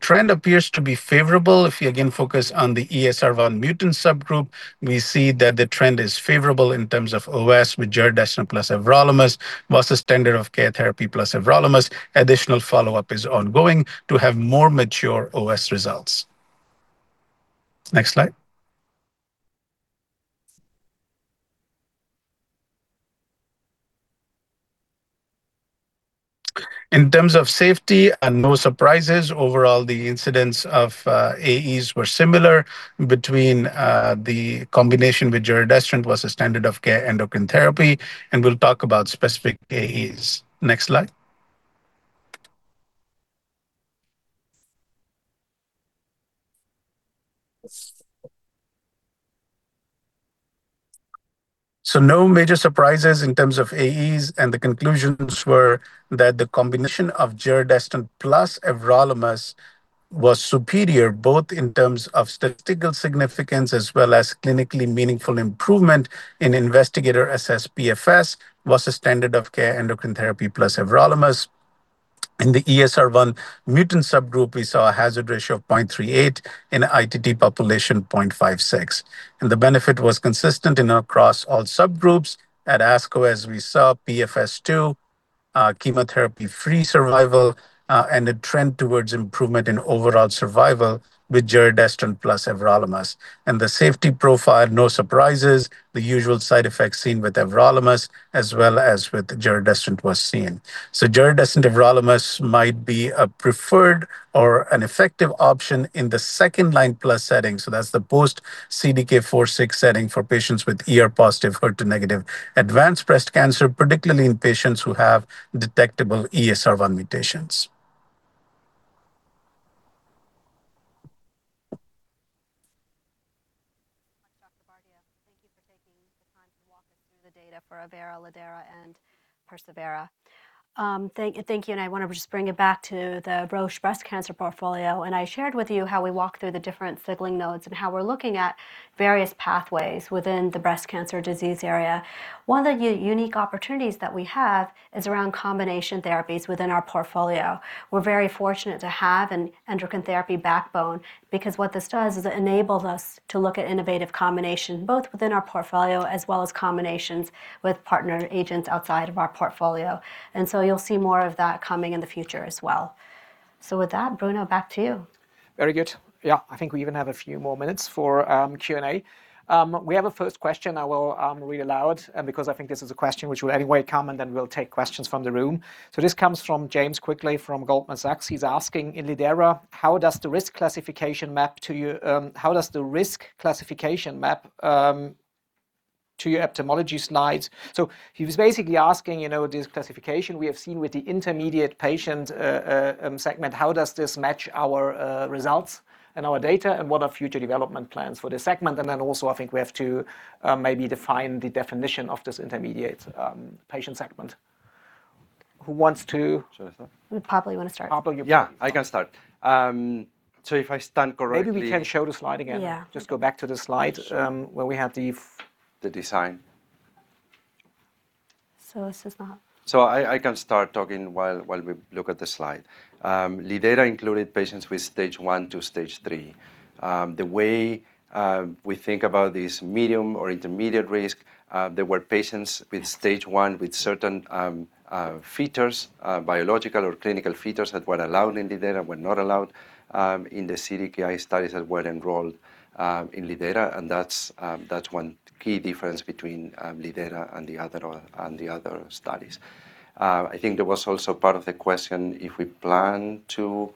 trend appears to be favorable. If you again focus on the ESR1 mutant subgroup, we see that the trend is favorable in terms of OS with giredestrant plus everolimus versus standard of care therapy plus everolimus. Additional follow-up is ongoing to have more mature OS results. Next slide. In terms of safety and no surprises, overall, the incidence of AEs were similar between the combination with giredestrant versus standard of care endocrine therapy, and we'll talk about specific AEs. Next slide. No major surprises in terms of AEs, and the conclusions were that the combination of giredestrant plus everolimus was superior, both in terms of statistical significance as well as clinically meaningful improvement in investigator-assessed PFS versus standard of care endocrine therapy plus everolimus. In the ESR1 mutant subgroup, we saw a hazard ratio of 0.38x. In ITT population 0.56x. The benefit was consistent in across all subgroups. At ASCO, as we saw, PFS2 Chemotherapy-free survival and a trend towards improvement in Overall Survival with giredestrant plus everolimus. The safety profile, no surprises. The usual side effects seen with everolimus, as well as with giredestrant was seen. Giredestrant, everolimus might be a preferred or an effective option in the second line plus setting. That's the post-CDK4/6 setting for patients with ER-positive, HER2-negative advanced breast cancer, particularly in patients who have detectable ESR1 mutations. Dr. Bardia, thank you for taking the time to walk us through the data for evERA, lidERA, and persevERA. Thank you, and I want to just bring it back to the Roche breast cancer portfolio, and I shared with you how we walk through the different signaling nodes and how we're looking at various pathways within the breast cancer disease area. One of the unique opportunities that we have is around combination therapies within our portfolio. We're very fortunate to have an endocrine therapy backbone because what this does is it enables us to look at innovative combination, both within our portfolio as well as combinations with partner agent outside of our portfolio. You'll see more of that coming in the future as well. With that, Bruno, back to you. Very good. Yeah. I think we even have a few more minutes for Q&A. We have a first question I will read aloud because I think this is a question which will anyway come, and then we'll take questions from the room. This comes from James Quigley from Goldman Sachs. He's asking, in lidERA, how does the risk classification map to your epidemiology slides? He was basically asking, this classification we have seen with the intermediate patient segment, how does this match our results and our data, and what are future development plans for this segment? Also, I think we have to maybe define the definition of this intermediate patient segment. Should I start? Pablo, you want to start? Pablo, Yeah, I can start. If I stand correctly. Maybe we can show the slide again. Yeah. Just go back to the slide where we have the-. The design. This is not- I can start talking while we look at the slide. lidERA included patients with Stage 1 to Stage 3. The way we think about this medium or intermediate risk, there were patients with Stage 1 with certain features, biological or clinical features that were allowed in lidERA, were not allowed in the CDKI studies that were enrolled in lidERA. That's one key difference between lidERA and the other studies. There was also part of the question, if we plan to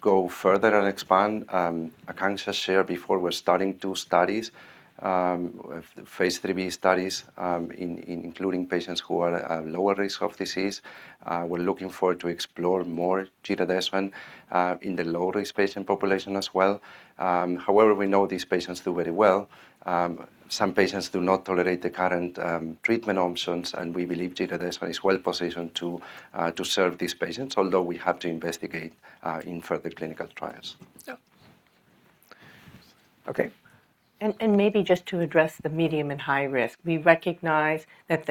go further and expand. I kind of shared before we're starting two studies, phase IIIb studies, including patients who are lower risk of disease. We're looking forward to explore more giredestrant in the low-risk patient population as well. However, we know these patients do very well. Some patients do not tolerate the current treatment options, and we believe giredestrant is well-positioned to serve these patients, although we have to investigate in further clinical trials. Yeah. Okay. Maybe just to address the medium and high risk, we recognize that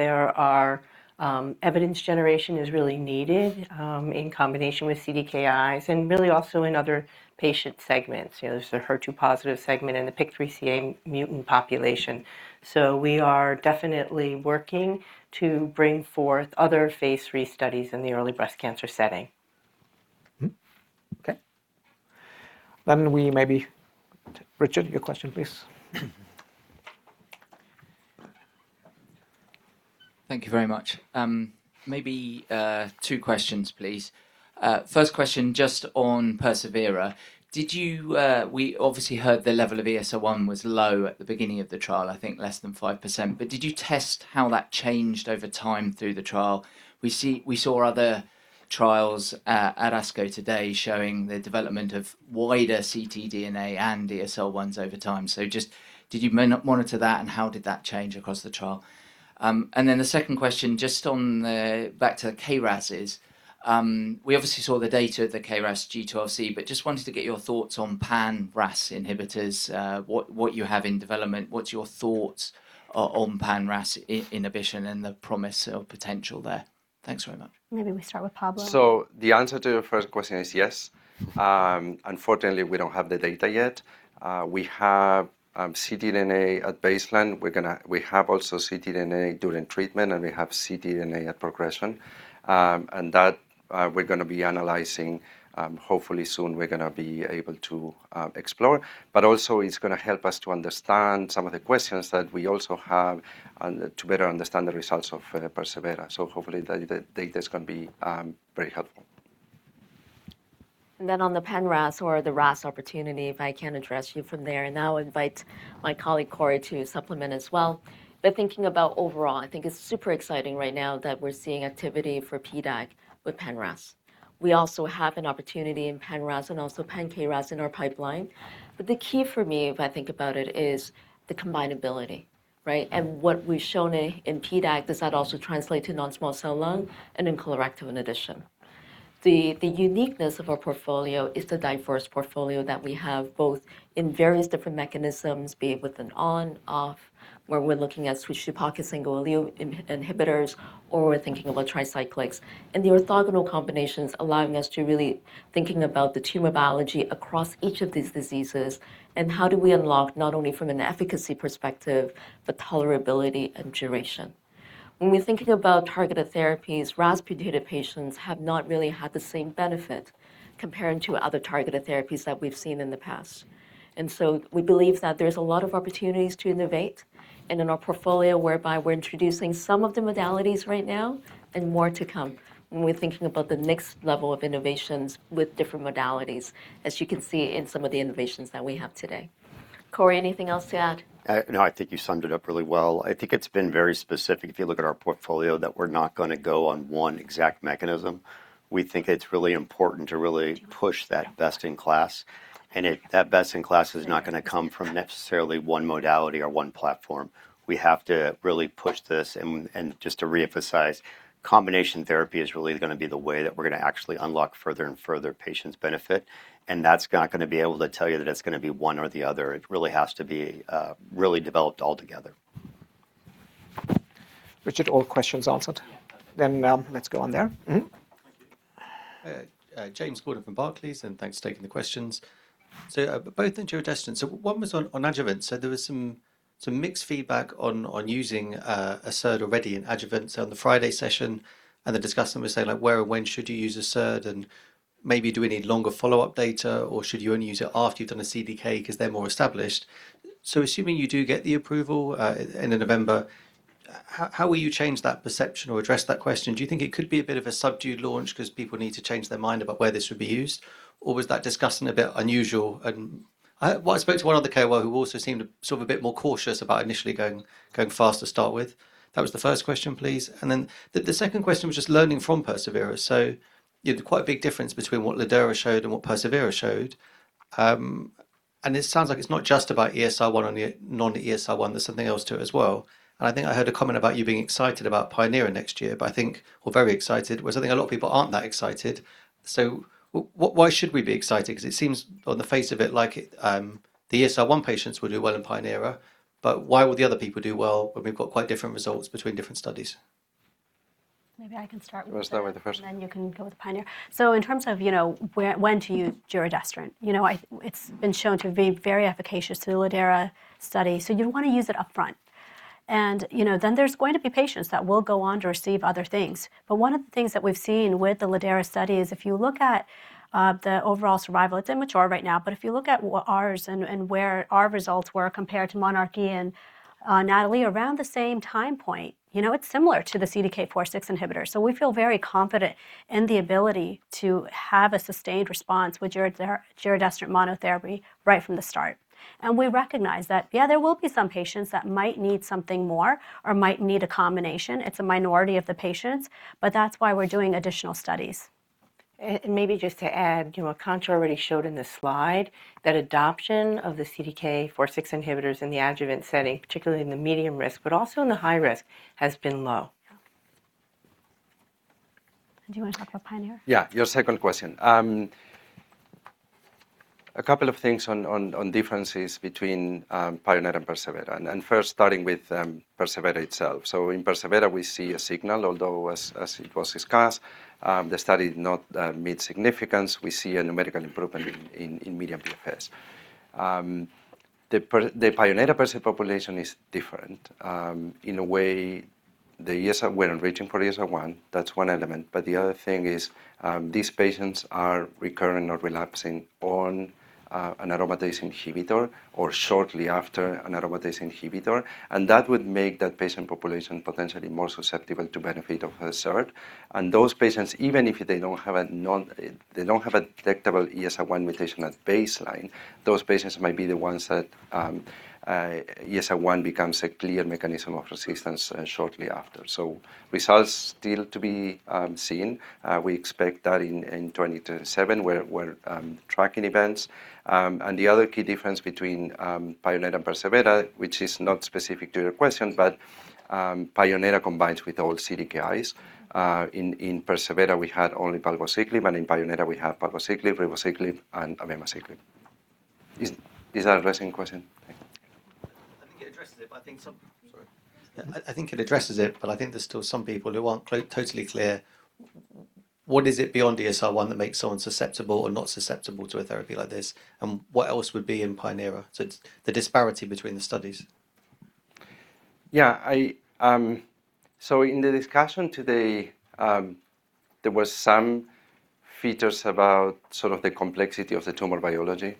evidence generation is really needed in combination with CDKIs and really also in other patient segments. There's the HER2-positive segment and the PIK3CA mutant population. We are definitely working to bring forth other phase III studies in the early breast cancer setting. Okay. We maybe Richard, your question, please. Thank you very much. Maybe two questions, please. First question, just on persevERA. We obviously heard the level of ESR1 was low at the beginning of the trial, I think less than 5%. Did you test how that changed over time through the trial? We saw other trials at ASCO today showing the development of wider ctDNA and ESR1s over time. Did you monitor that, and how did that change across the trial? The second question, just back to KRASs. We obviously saw the data at the KRAS G12C. Just wanted to get your thoughts on pan-RAS inhibitors, what you have in development, what's your thoughts on pan-RAS inhibition and the promise or potential there. Thanks very much. Maybe we start with Pablo. The answer to the first question is yes. Unfortunately, we don't have the data yet. We have ctDNA at baseline. We have also ctDNA during treatment, and we have ctDNA at progression, and that we're going to be analyzing. Hopefully soon, we're going to be able to explore. Also, it's going to help us to understand some of the questions that we also have to better understand the results of persevERA. Hopefully, the data is going to be very helpful. On the pan-RAS or the RAS opportunity, if I can address you from there, and I'll invite my colleague, Corey, to supplement as well. Thinking about overall, I think it's super exciting right now that we're seeing activity for PDAC with pan-RAS. We also have an opportunity in pan-RAS and also pan-KRAS in our pipeline. The key for me, if I think about it, is the combinability, right? What we've shown in PDAC, does that also translate to non-small cell lung and in colorectal in addition? The uniqueness of our portfolio is the diverse portfolio that we have, both in various different mechanisms, be it with an on/off, where we're looking at switch, pocket, single allele inhibitors, or we're thinking about tricyclics. The orthogonal combinations allowing us to really think about the tumor biology across each of these diseases, and how do we unlock, not only from an efficacy perspective, but tolerability and duration. When we're thinking about targeted therapies, RAS-mutated patients have not really had the same benefit comparing to other targeted therapies that we've seen in the past. We believe that there's a lot of opportunities to innovate, and in our portfolio whereby we're introducing some of the modalities right now, and more to come when we're thinking about the next level of innovations with different modalities, as you can see in some of the innovations that we have today. Corey, anything else to add? No, I think you summed it up really well. I think it's been very specific, if you look at our portfolio, that we're not going to go on one exact mechanism. We think it's really important to really push that best-in-class, and that best-in-class is not going to come from necessarily one modality or one platform. Just to reemphasize, combination therapy is really going to be the way that we're going to actually unlock further and further patients benefit, and that's not going to be able to tell you that it's going to be one or the other. It really has to be really developed altogether. Richard, all questions answered? Yeah. Let's go on there. Mm-hmm. Thank you. James Gordon from Barclays, thanks for taking the questions. Both into your giredestrant. One was on adjuvant. There was some mixed feedback on using a SERD already in adjuvant. On the Friday session, the discussant was saying like, where or when should you use a SERD, and maybe do we need longer follow-up data, or should you only use it after you've done a CDK because they're more established? Assuming you do get the approval in November, how will you change that perception or address that question? Do you think it could be a bit of a subdued launch because people need to change their mind about where this would be used? Or was that discussion a bit unusual? I spoke to one other KOL who also seemed a bit more cautious about initially going fast to start with. That was the first question, please. The second question was just learning from persevERA. Quite a big difference between what lidERA showed and what persevERA showed. It sounds like it's not just about ESR1 and non-ESR1, there's something else to it as well. I think I heard a comment about you being excited about pionERA next year, but I think we're very excited, whereas I think a lot of people aren't that excited. Why should we be excited? It seems on the face of it like the ESR1 patients will do well in pionERA, but why will the other people do well when we've got quite different results between different studies? Maybe I can start. We'll start with the first one. Then you can go with pionERA. In terms of when to use giredestrant. It's been shown to be very efficacious to the lidERA study, you'd want to use it upfront. Then there's going to be patients that will go on to receive other things. One of the things that we've seen with the lidERA study is if you look at the overall survival, it's immature right now, if you look at ours and where our results were compared to monarchE and NATALEE around the same time point, it's similar to the CDK4/6 inhibitor. We feel very confident in the ability to have a sustained response with giredestrant monotherapy right from the start. We recognize that, yeah, there will be some patients that might need something more or might need a combination. It's a minority of the patients, but that's why we're doing additional studies. Maybe just to add, Aakanksha already showed in the slide that adoption of the CDK4/6 inhibitors in the adjuvant setting, particularly in the medium risk, but also in the high risk, has been low. Yeah. Do you want to talk about pionERA? Yeah. Your second question. A couple of things on differences between pionERA and persevERA, first starting with persevERA itself. In persevERA, we see a signal, although, as it was discussed, the study did not meet significance. We see a numerical improvement in median PFS. The pionERA patient population is different. In a way, we're enriching for ESR1, that's one element. The other thing is these patients are recurring or relapsing on an aromatase inhibitor or shortly after an aromatase inhibitor, that would make that patient population potentially more susceptible to benefit of a SERD. Those patients, even if they don't have a detectable ESR1 mutation at baseline, those patients might be the ones that ESR1 becomes a clear mechanism of resistance shortly after. Results still to be seen. We expect that in 2027, we're tracking events. The other key difference between pionERA and persevERA, which is not specific to your question, but pionERA combines with all CDKIs. In persevERA, we had only palbociclib, and in pionERA, we have palbociclib, ribociclib, and abemaciclib. Is that addressing your question? Sorry. I think it addresses it, but I think there's still some people who aren't totally clear, what is it beyond ESR1 that makes someone susceptible or not susceptible to a therapy like this? What else would be in pionERA? It's the disparity between the studies. Yeah. In the discussion today, there was some features about sort of the complexity of the tumor biology.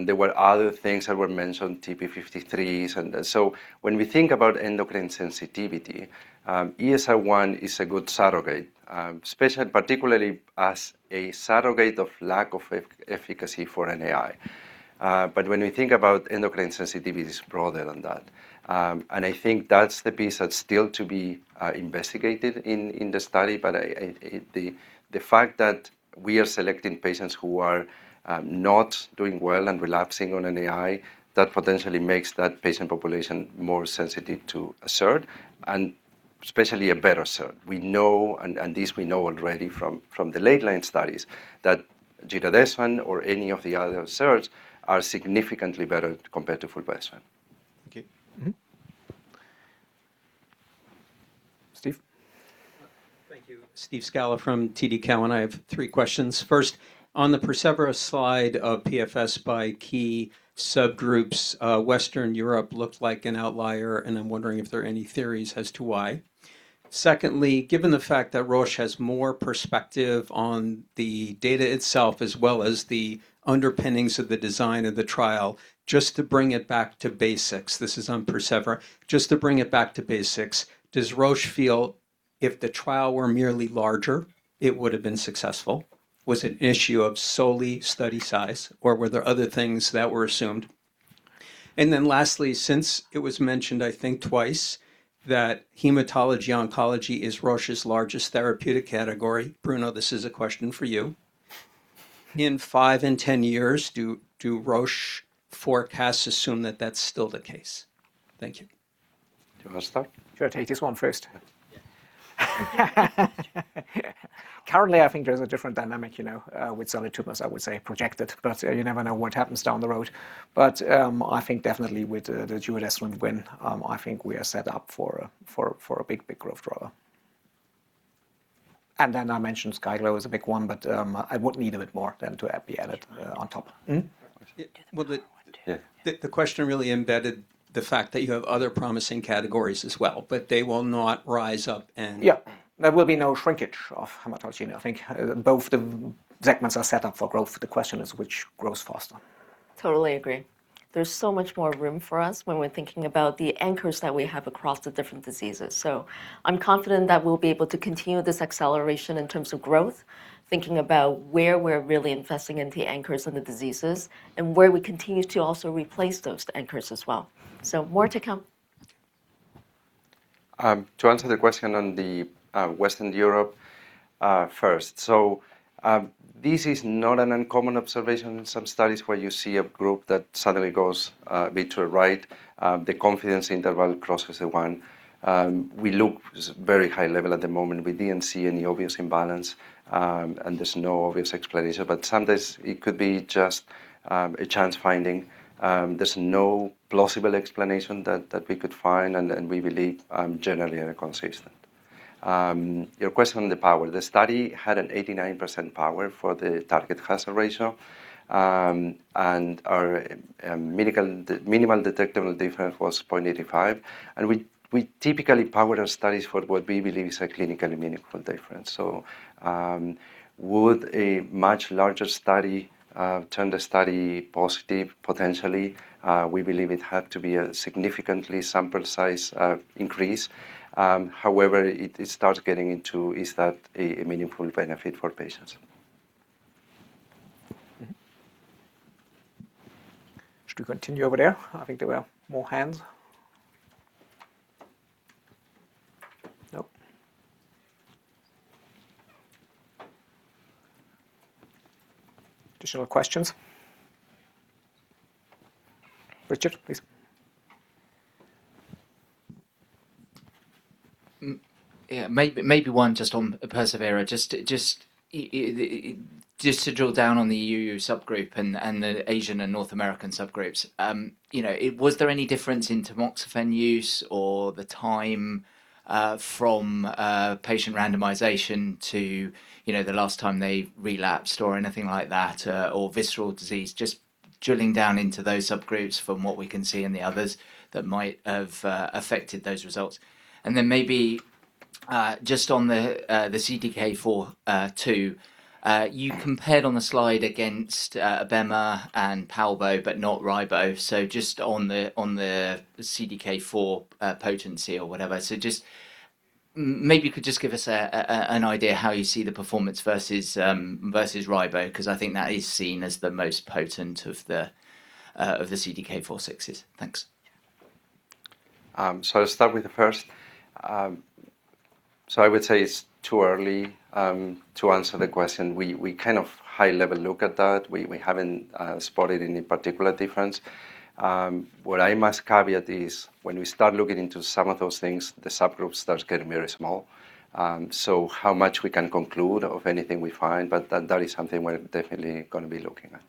There were other things that were mentioned, TP53s, when we think about endocrine sensitivity, ESR1 is a good surrogate, especially particularly as a surrogate of lack of efficacy for an AI. When we think about endocrine sensitivity, it's broader than that. I think that's the piece that's still to be investigated in the study. The fact that we are selecting patients who are not doing well and relapsing on an AI, that potentially makes that patient population more sensitive to a SERD, especially a better SERD. We know, and this we know already from the late line studies, that giredestrant or any of the other SERDs are significantly better compared to fulvestrant. Okay. Mm-hmm. Steve? Thank you. Steve Scala from TD Cowen. I have three questions. First, on the persevERA slide of PFS by key subgroups, Western Europe looked like an outlier, and I'm wondering if there are any theories as to why. Secondly, given the fact that Roche has more perspective on the data itself as well as the underpinnings of the design of the trial, just to bring it back to basics, this is on persevERA, just to bring it back to basics, does Roche feel if the trial were merely larger, it would've been successful? Was it an issue of solely study size, or were there other things that were assumed? Lastly, since it was mentioned, I think twice, that hematology oncology is Roche's largest therapeutic category, Bruno, this is a question for you. In five and 10 years, do Roche forecasts assume that that's still the case? Thank you. Do you want to start? Sure. I take this one first. Yeah. Currently, I think there's a different dynamic with solid tumors, I would say projected, but you never know what happens down the road. I think definitely with the giredestrant win, I think we are set up for a big growth driver. I mentioned [Skylo] is a big one, but I would need a bit more then to be added on top. Well. Do the power one too. The question really embedded the fact that you have other promising categories as well, but they will not rise up. Yeah. There will be no shrinkage of hematology. I think both the segments are set up for growth. The question is which grows faster. Totally agree. There's so much more room for us when we're thinking about the anchors that we have across the different diseases. I'm confident that we'll be able to continue this acceleration in terms of growth, thinking about where we're really investing in the anchors and the diseases, and where we continue to also replace those anchors as well. More to come. To answer the question on Western Europe first. This is not an uncommon observation in some studies where you see a group that suddenly goes a bit to the right. The confidence interval crosses the one. We look very high level at the moment. We didn't see any obvious imbalance, and there's no obvious explanation, but sometimes it could be just a chance finding. There's no plausible explanation that we could find, and we believe generally inconsistent. Your question on the power, the study had an 89% power for the target hazard ratio, and our minimal detectable difference was 0.85x, and we typically power our studies for what we believe is a clinically meaningful difference. Would a much larger study turn the study positive potentially? We believe it had to be a significant sample size increase. It starts getting into, is that a meaningful benefit for patients? Should we continue over there? I think there were more hands. Nope. Additional questions? Richard, please. Yeah, maybe one just on persevERA. Just to drill down on the EU subgroup and the Asian and North American subgroups. Was there any difference in tamoxifen use or the time from patient randomization to the last time they relapsed or anything like that, or visceral disease, just drilling down into those subgroups from what we can see in the others that might have affected those results. Maybe, just on the CDK4 too, you compared on the slide against abema and palbo, but not ribo, so just on the CDK4 potency or whatever. Just maybe you could just give us an idea how you see the performance versus ribo, because I think that is seen as the most potent of the CDK4/6s. Thanks. I'll start with the first. I would say it's too early to answer the question. We kind of high level look at that. We haven't spotted any particular difference. What I must caveat is when we start looking into some of those things, the subgroup starts getting very small, so how much we can conclude of anything we find, but that is something we're definitely going to be looking at.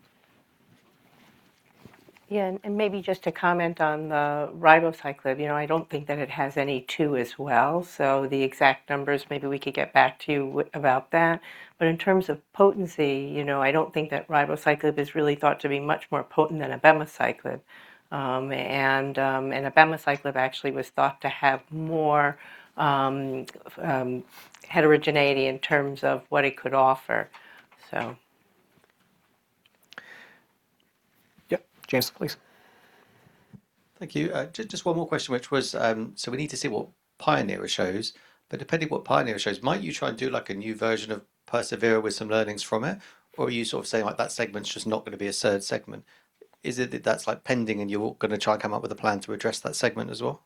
Maybe just to comment on the ribociclib. I don't think that it has any two as well. The exact numbers, maybe we could get back to you about that. In terms of potency, I don't think that ribociclib is really thought to be much more potent than abemaciclib. Abemaciclib actually was thought to have more heterogeneity in terms of what it could offer. Yep. James, please. Thank you. Just one more question, which was, so we need to see what pionERA shows, but depending what pionERA shows, might you try and do a new version of persevERA with some learnings from it, or are you sort of saying like that segment's just not going to be a SERD segment? Is it that that's pending and you're going to try and come up with a plan to address that segment as well?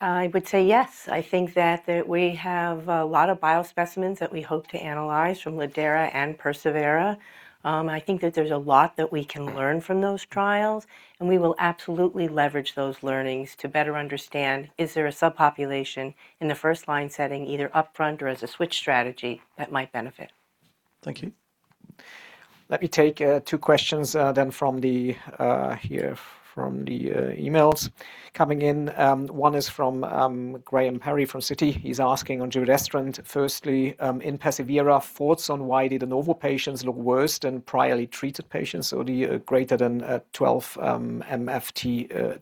I would say yes. I think that we have a lot of biospecimens that we hope to analyze from lidERA and persevERA. I think that there's a lot that we can learn from those trials, and we will absolutely leverage those learnings to better understand, is there a subpopulation in the first-line setting, either upfront or as a switch strategy, that might benefit? Thank you. Let me take two questions from the emails coming in. One is from Graham Parry from Citi. He's asking on giredestrant. Firstly, in persevERA, thoughts on why did the de novo patients look worse than priorly treated patients, so the greater than 12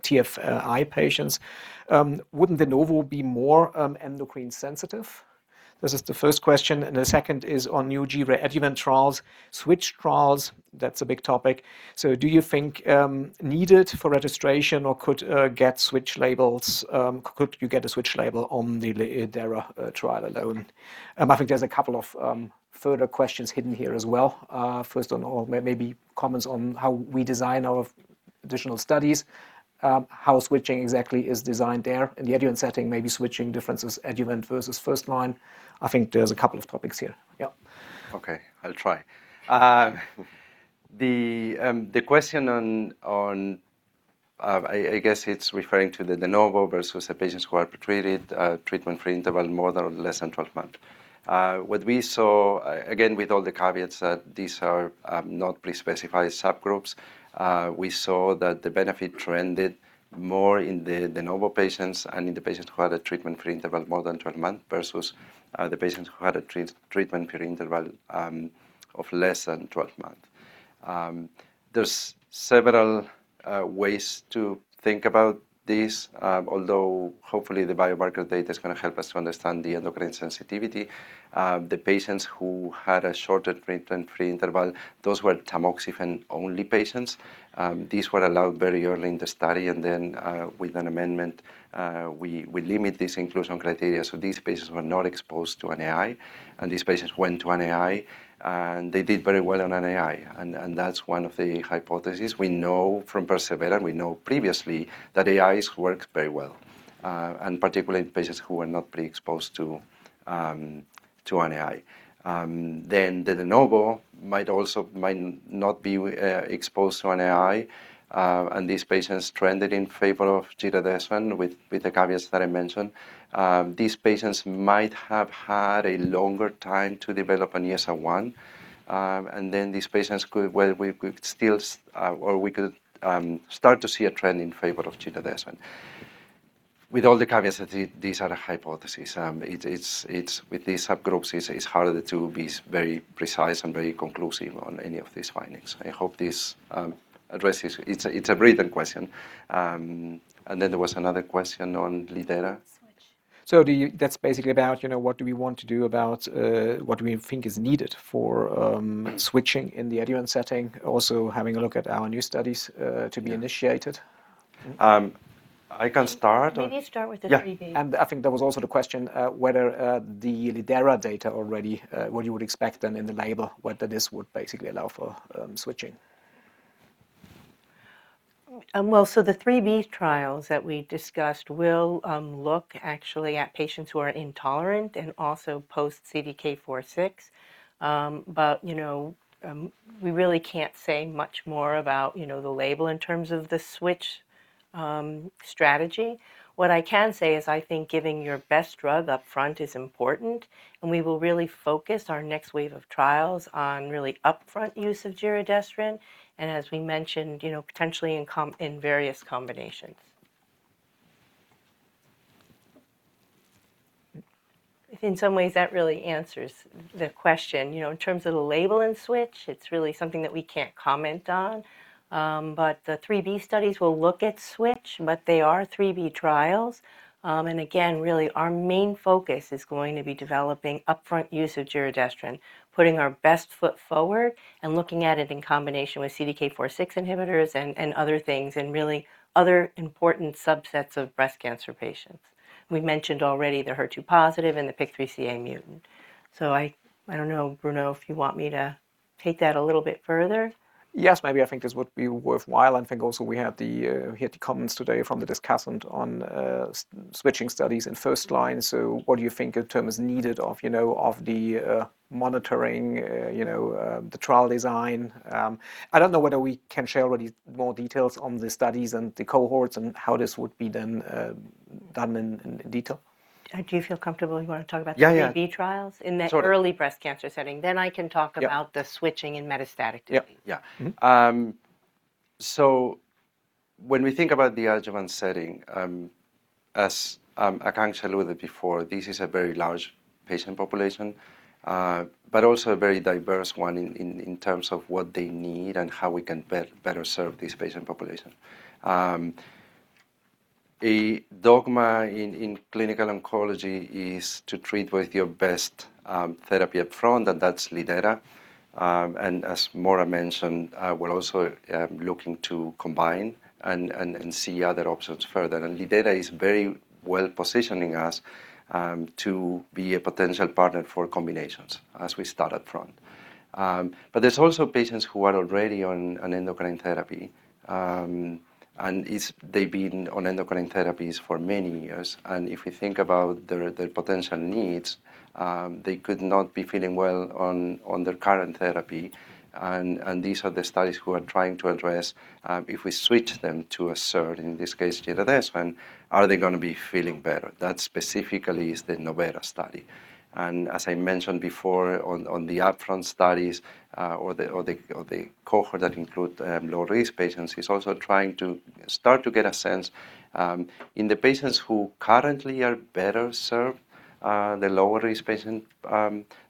TFI patients. Wouldn't de novo be more endocrine sensitive? This is the first question. The second is on new adjuvant trials, switch trials. That's a big topic. Do you think needed for registration or could you get a switch label on the lidERA trial alone? I think there's a couple of further questions hidden here as well. First on all, maybe comments on how we design our additional studies, how switching exactly is designed there in the adjuvant setting, maybe switching differences, adjuvant versus first line. I think there's a couple of topics here. Yeah. Okay. I'll try. The question on, I guess it's referring to the de novo versus the patients who are pretreated, treatment-free interval, more than less than 12 months. What we saw, again, with all the caveats that these are not pre-specified subgroups, we saw that the benefit trended more in the de novo patients and in the patients who had a treatment-free interval more than 12 months versus the patients who had a treatment-free interval of less than 12 months. There's several ways to think about this, although hopefully the biomarker data is going to help us to understand the endocrine sensitivity. The patients who had a shorter treatment-free interval, those were tamoxifen-only patients. These were allowed very early in the study, and then with an amendment we limit this inclusion criteria, so these patients were not exposed to an AI, and these patients went to an AI, and they did very well on an AI. That's one of the hypotheses we know from persevERA, we know previously that AIs work very well, and particularly in patients who were not pre-exposed to an AI. The de novo might not be exposed to an AI, and these patients trended in favor of giredestrant with the caveats that I mentioned. These patients might have had a longer time to develop an ESR1, and then these patients could start to see a trend in favor of giredestrant. With all the caveats that these are the hypotheses. With these subgroups, it's harder to be very precise and very conclusive on any of these findings. I hope this addresses. It's a breathing question. Then there was another question on lidERA. Switch. That's basically about what do we want to do about what we think is needed for switching in the adjuvant setting, also having a look at our new studies to be initiated. I can start. Maybe start with the phase IIIb. Yeah. I think there was also the question whether the lidERA data already, what you would expect then in the label, whether this would basically allow for switching. The phase IIIb trials that we discussed will look actually at patients who are intolerant and also post CDK4/6. We really can't say much more about the label in terms of the switch strategy. What I can say is I think giving your best drug up front is important, and we will really focus our next wave of trials on really upfront use of giredestrant, and as we mentioned, potentially in various combinations. In some ways, that really answers the question. In terms of the label and switch, it's really something that we can't comment on. The phase IIIb studies will look at switch, but they are phase IIIb trials. Again, really our main focus is going to be developing upfront use of giredestrant, putting our best foot forward, and looking at it in combination with CDK4/6 inhibitors and other things, and really other important subsets of breast cancer patients. We mentioned already the HER2 positive and the PIK3CA mutant. I don't know, Bruno, if you want me to take that a little bit further. Yes, maybe I think this would be worthwhile. I think also we had the comments today from the discussant on switching studies in first line. What do you think in terms needed of the monitoring, the trial design? I don't know whether we can share already more details on the studies and the cohorts and how this would be then done in detail. Do you feel comfortable you want to talk about? Yeah 3B trials. Sure early breast cancer setting? I can talk about. Yeah the switching in metastatic disease. Yeah. When we think about the adjuvant setting, as I kind of said before, this is a very large patient population, but also a very diverse one in terms of what they need and how we can better serve this patient population. A dogma in clinical oncology is to treat with your best therapy up front, and that's lidERA. As Maura mentioned, we're also looking to combine and see other options further. lidERA is very well-positioning us to be a potential partner for combinations as we start upfront. There's also patients who are already on endocrine therapy, and they've been on endocrine therapies for many years. If we think about their potential needs, they could not be feeling well on their current therapy. These are the studies who are trying to address, if we switch them to a SERD, in this case, giredestrant, are they going to be feeling better? That specifically is the novERA study. As I mentioned before, on the upfront studies, or the cohort that include low-risk patients, is also trying to start to get a sense in the patients who currently are better served, the lower risk patient,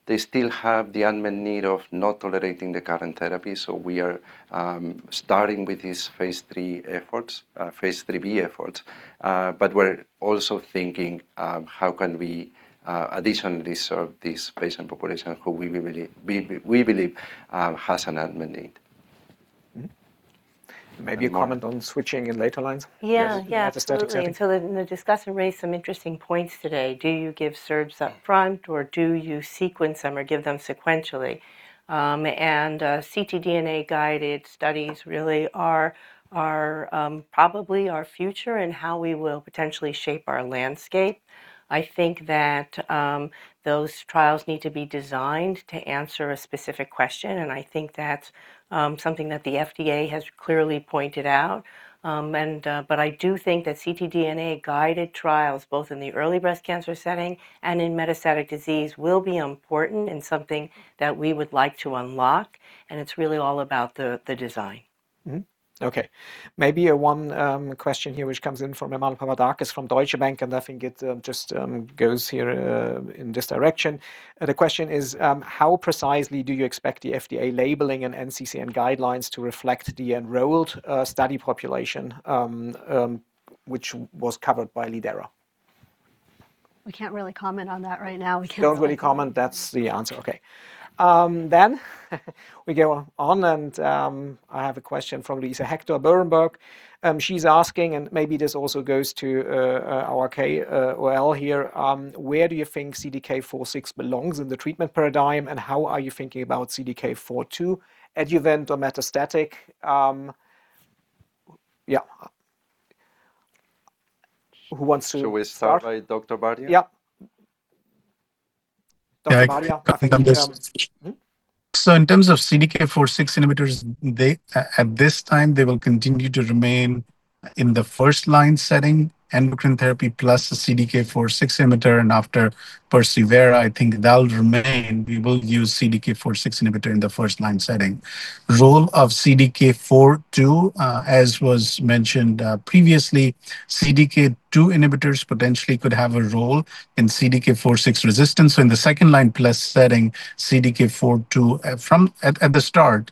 they still have the unmet need of not tolerating the current therapy. We are starting with these phase IIIb efforts, but we're also thinking how can we additionally serve this patient population who we believe has an unmet need. Maybe a comment on switching in later lines? Yeah. Absolutely. In metastatic setting. The discussion raised some interesting points today. Do you give SERDs upfront, or do you sequence them or give them sequentially? ctDNA-guided studies really are probably our future in how we will potentially shape our landscape. I think that those trials need to be designed to answer a specific question, and I think that's something that the FDA has clearly pointed out. I do think that ctDNA-guided trials, both in the early breast cancer setting and in metastatic disease, will be important and something that we would like to unlock, and it's really all about the design. Okay. Maybe one question here, which comes in from Emmanuel Papadakis from Deutsche Bank, and I think it just goes here in this direction. The question is, how precisely do you expect the FDA labeling and NCCN guidelines to reflect the enrolled study population, which was covered by lidERA? We can't really comment on that right now. Don't really comment. That's the answer. Okay. We go on, and I have a question from Luisa Hector Berenberg. She's asking, and maybe this also goes to our KL here, where do you think CDK4/6 belongs in the treatment paradigm, and how are you thinking about CDK4/2, adjuvant or metastatic? Yeah. Who wants to start? Should we start by Aditya Bardia? Yeah. Aditya Bardia. Yeah, I think I can take this. In terms of CDK4/6 inhibitors, at this time, they will continue to remain in the first-line setting, endocrine therapy plus the CDK4/6 inhibitor. After persevERA, I think that'll remain. We will use CDK4/6 inhibitor in the first-line setting. Role of CDK4/2, as was mentioned previously, CDK2 inhibitors potentially could have a role in CDK4/6 resistance. In the second-line plus setting, CDK4/2 at the start,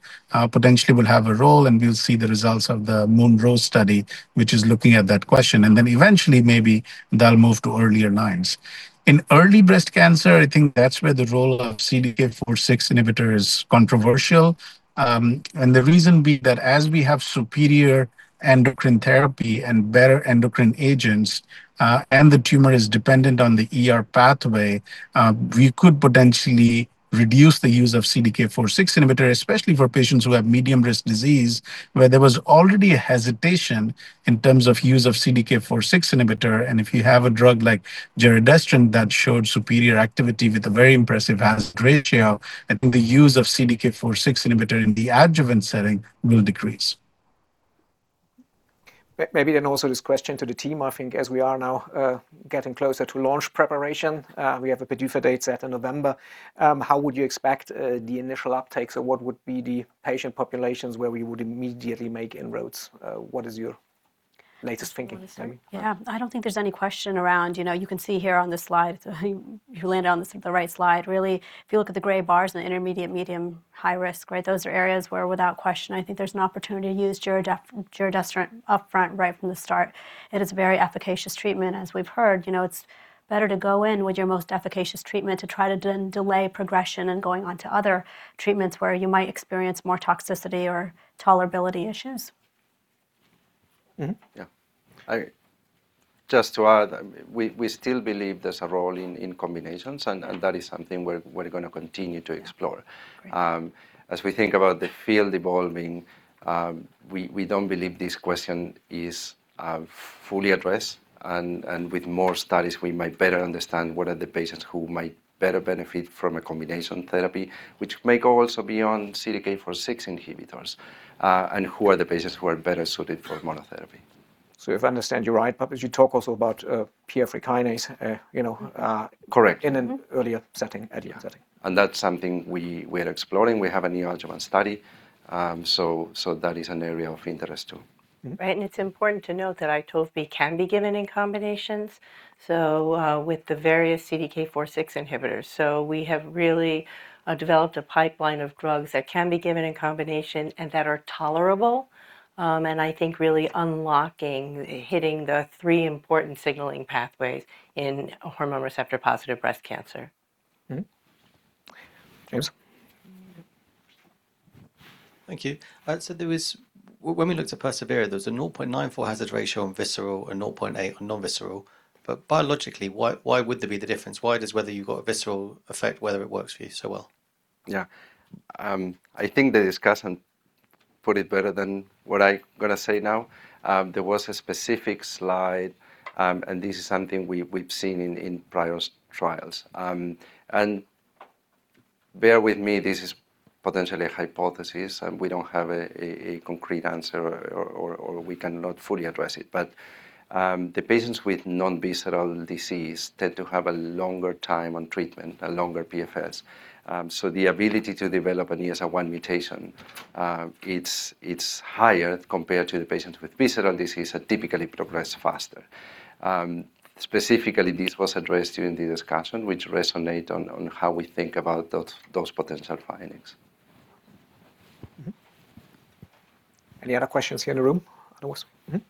potentially will have a role, and we'll see the results of the [MORPHEUS] study, which is looking at that question. Eventually, maybe that'll move to earlier lines. In early breast cancer, I think that's where the role of CDK4/6 inhibitor is controversial. The reason being that as we have superior endocrine therapy and better endocrine agents, and the tumor is dependent on the ER pathway, we could potentially reduce the use of CDK4/6 inhibitor, especially for patients who have medium risk disease, where there was already a hesitation in terms of use of CDK4/6 inhibitor. If you have a drug like giredestrant that showed superior activity with a very impressive hazard ratio, I think the use of CDK4/6 inhibitor in the adjuvant setting will decrease. Maybe also this question to the team, I think as we are now getting closer to launch preparation. We have a PDUFA date set in November. How would you expect the initial uptakes, or what would be the patient populations where we would immediately make inroads? What is your latest thinking? You want to start? Yeah. I don't think there's any question around. You can see here on this slide, you landed on the right slide, really. If you look at the gray bars in the intermediate, medium, high risk, those are areas where, without question, I think there's an opportunity to use giredestrant upfront right from the start. It is a very efficacious treatment. As we've heard, it's better to go in with your most efficacious treatment to try to delay progression than going on to other treatments where you might experience more toxicity or tolerability issues. Yeah. Just to add, we still believe there's a role in combinations, and that is something we're going to continue to explore. Yeah. Great. As we think about the field evolving, we don't believe this question is fully addressed. With more studies, we might better understand what are the patients who might better benefit from a combination therapy, which may go also beyond CDK4/6 inhibitors. Who are the patients who are better suited for monotherapy. If I understand you right, perhaps you talk also about PI3 kinase? Correct in an earlier setting, adjuvant setting. That's something we are exploring. We have a neoadjuvant study. That is an area of interest, too. Right. It's important to note that Itovebi can be given in combinations, so with the various CDK4/6 inhibitors. We have really developed a pipeline of drugs that can be given in combination and that are tolerable, and I think really unlocking, hitting the three important signaling pathways in hormone receptor-positive breast cancer. Thank you. When we looked at persevERA, there was a 0.94 hazard ratio on visceral and 0.8 on non-visceral, biologically, why would there be the difference? Why does whether you got a visceral affect whether it works for you so well? Yeah. I think the discussion put it better than what I going to say now. There was a specific slide, and this is something we've seen in prior trials. Bear with me, this is potentially a hypothesis, we don't have a concrete answer or we cannot fully address it. The patients with non-visceral disease tend to have a longer time on treatment, a longer PFS. The ability to develop an ESR1 mutation, it's higher compared to the patients with visceral disease that typically progress faster. Specifically, this was addressed during the discussion, which resonate on how we think about those potential findings. Any other questions here in the room? Hi,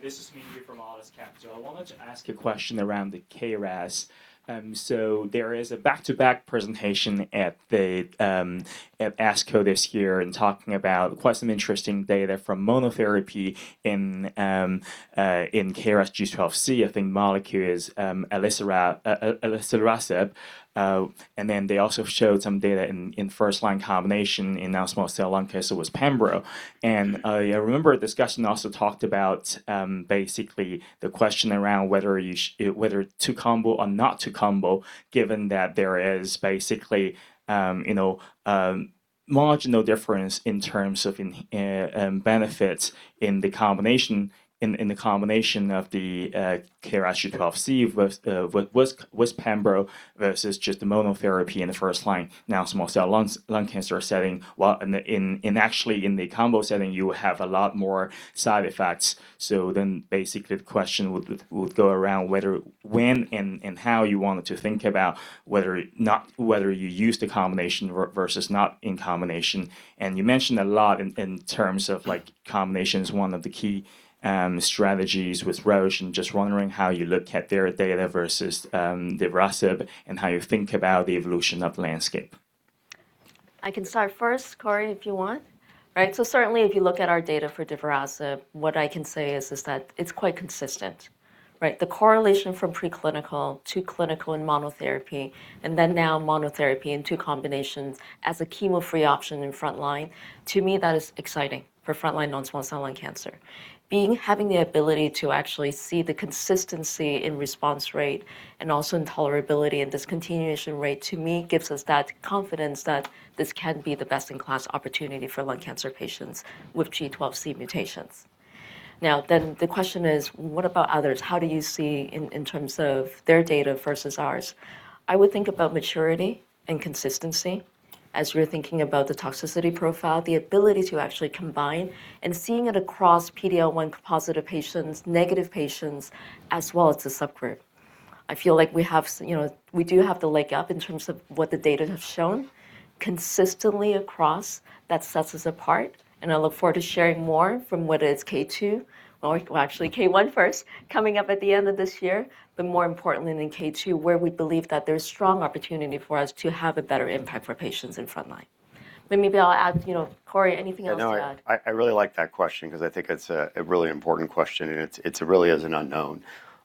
this is Ming Yu from Atlas Capital. I wanted to ask a question around the KRAS. There is a back-to-back presentation at ASCO this year, talking about quite some interesting data from monotherapy in KRAS G12C, I think molecule is elacestrant, then they also showed some data in first line combination in non-small cell lung cancer with pembrolizumab. I remember a discussion also talked about basically the question around whether to combo or not to combo given that there is basically marginal difference in terms of benefits in the combination of the KRAS G12C with pembrolizumab versus just the monotherapy in the first line, non-small cell lung cancer setting. In actually in the combo setting, you have a lot more side effects. Basically the question would go around when and how you wanted to think about whether you use the combination versus not in combination. You mentioned a lot in terms of combinations, one of the key strategies with Roche, and just wondering how you look at their data versus divarasib, and how you think about the evolution of landscape. I can start first, Corey, if you want. Certainly if you look at our data for divarasib, what I can say is that it's quite consistent. Right? The correlation from preclinical to clinical and monotherapy, and then now monotherapy and two combinations as a chemo-free option in front line, to me, that is exciting for front line non-small cell lung cancer. Having the ability to actually see the consistency in response rate and also in tolerability and discontinuation rate, to me, gives us that confidence that this can be the best-in-class opportunity for lung cancer patients with G12C mutations. The question is, what about others? How do you see in terms of their data versus ours? I would think about maturity and consistency as we're thinking about the toxicity profile, the ability to actually combine, and seeing it across PD-L1 positive patients, negative patients, as well as the subgroup. I feel like we do have the leg up in terms of what the data have shown consistently across that sets us apart, and I look forward to sharing more from whether it's K2, or actually K1 first, coming up at the end of this year, more importantly than K2, where we believe that there's strong opportunity for us to have a better impact for patients in frontline. Maybe I'll add, Corey, anything else to add? No, I really like that question because I think it's a really important question. It really is an unknown.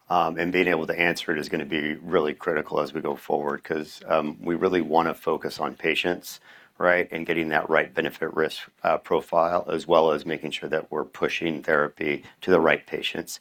Being able to answer it is going to be really critical as we go forward because we really want to focus on patients, right, and getting that right benefit risk profile, as well as making sure that we're pushing therapy to the right patients.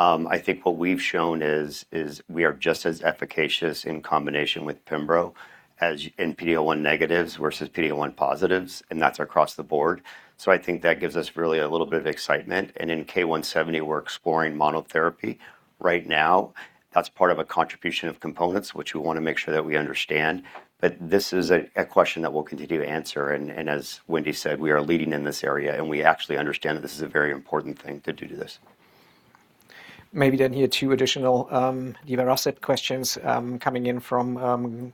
I think what we've shown is we are just as efficacious in combination with pembro in PD-L1 negatives versus PD-L1 positives. That's across the board. I think that gives us really a little bit of excitement. In K170, we're exploring monotherapy. Right now, that's part of a contribution of components, which we want to make sure that we understand. This is a question that we'll continue to answer, and as Wendy said, we are leading in this area, and we actually understand that this is a very important thing to do to this. Maybe here two additional divarasib questions coming in from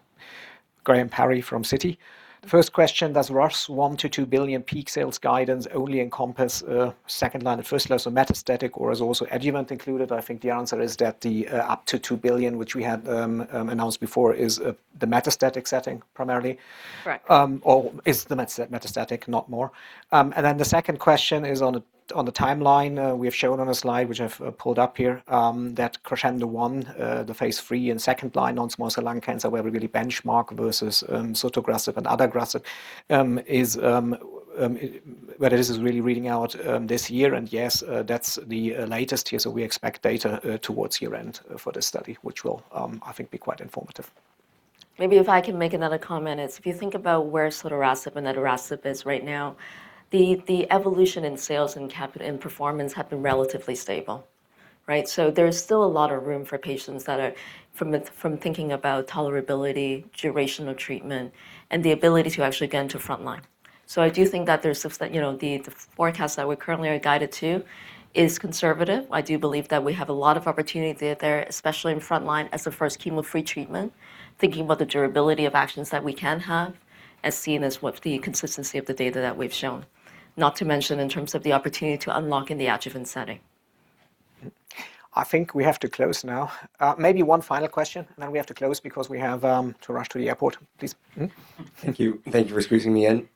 Graham Parry from Citi. The first question, does Roche 1 billion-2 billion peak sales guidance only encompass second line and first line, so metastatic, or is also adjuvant included? I think the answer is that the up to 2 billion, which we had announced before, is the metastatic setting primarily. Correct. Or is the metastatic not more. The second question is on the timeline we have shown on a slide, which I've pulled up here, that KRASCENDO-1, the phase III and second line non-small cell lung cancer, where we really benchmark versus sotorasib and adagrasib, whether this is really reading out this year, and yes, that's the latest here. We expect data towards year-end for this study, which will, I think, be quite informative. Maybe if I can make another comment, it's if you think about where sotorasib and adagrasib is right now, the evolution in sales and performance have been relatively stable, right? There's still a lot of room for patients that are from thinking about tolerability, duration of treatment, and the ability to actually get into frontline. I do think that the forecast that we currently are guided to is conservative. I do believe that we have a lot of opportunity there, especially in frontline as a first chemo-free treatment, thinking about the durability of actions that we can have, as seen as with the consistency of the data that we've shown. Not to mention in terms of the opportunity to unlock in the adjuvant setting. I think we have to close now. Maybe one final question, then we have to close because we have to rush to the airport. Please. Thank you. Thank you for squeezing me in.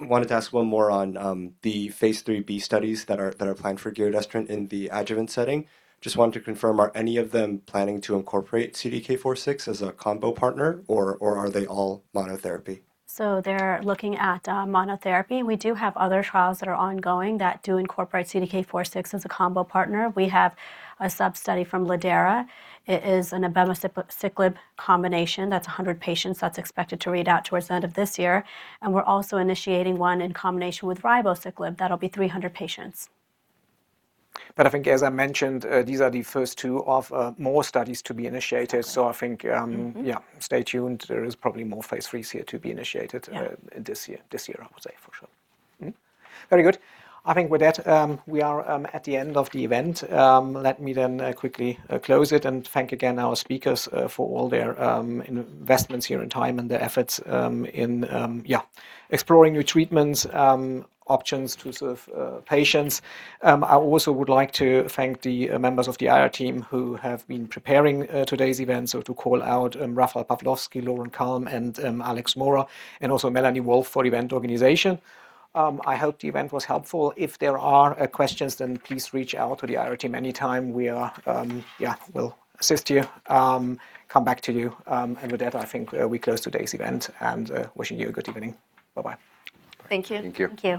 Wanted to ask one more on the phase IIIb studies that are planned for giredestrant in the adjuvant setting. Just wanted to confirm, are any of them planning to incorporate CDK4/6 as a combo partner or are they all monotherapy? They're looking at monotherapy. We do have other trials that are ongoing that do incorporate CDK4/6 as a combo partner. We have a sub-study from lidERA. It is an abemaciclib combination, that's 100 patients, that's expected to read out towards the end of this year. We're also initiating one in combination with ribociclib, that'll be 300 patients. I think as I mentioned, these are the first two of more studies to be initiated. Yeah, stay tuned. There is probably more phase IIIs here to be initiated. Yeah This year, I would say for sure. Very good. I think with that, we are at the end of the event. Let me quickly close it and thank again our speakers for all their investments here and time and their efforts in exploring new treatments, options to serve patients. I also would like to thank the members of the IR team who have been preparing today's event, so to call out Rafal Pawlowski, Loren Kalm, and Alex Mora, and also Melanie Wolff for event organization. I hope the event was helpful. If there are questions, please reach out to the IR team anytime. We'll assist you, come back to you. With that, I think we close today's event, and wishing you a good evening. Bye-bye. Thank you. Thank you. Thank you.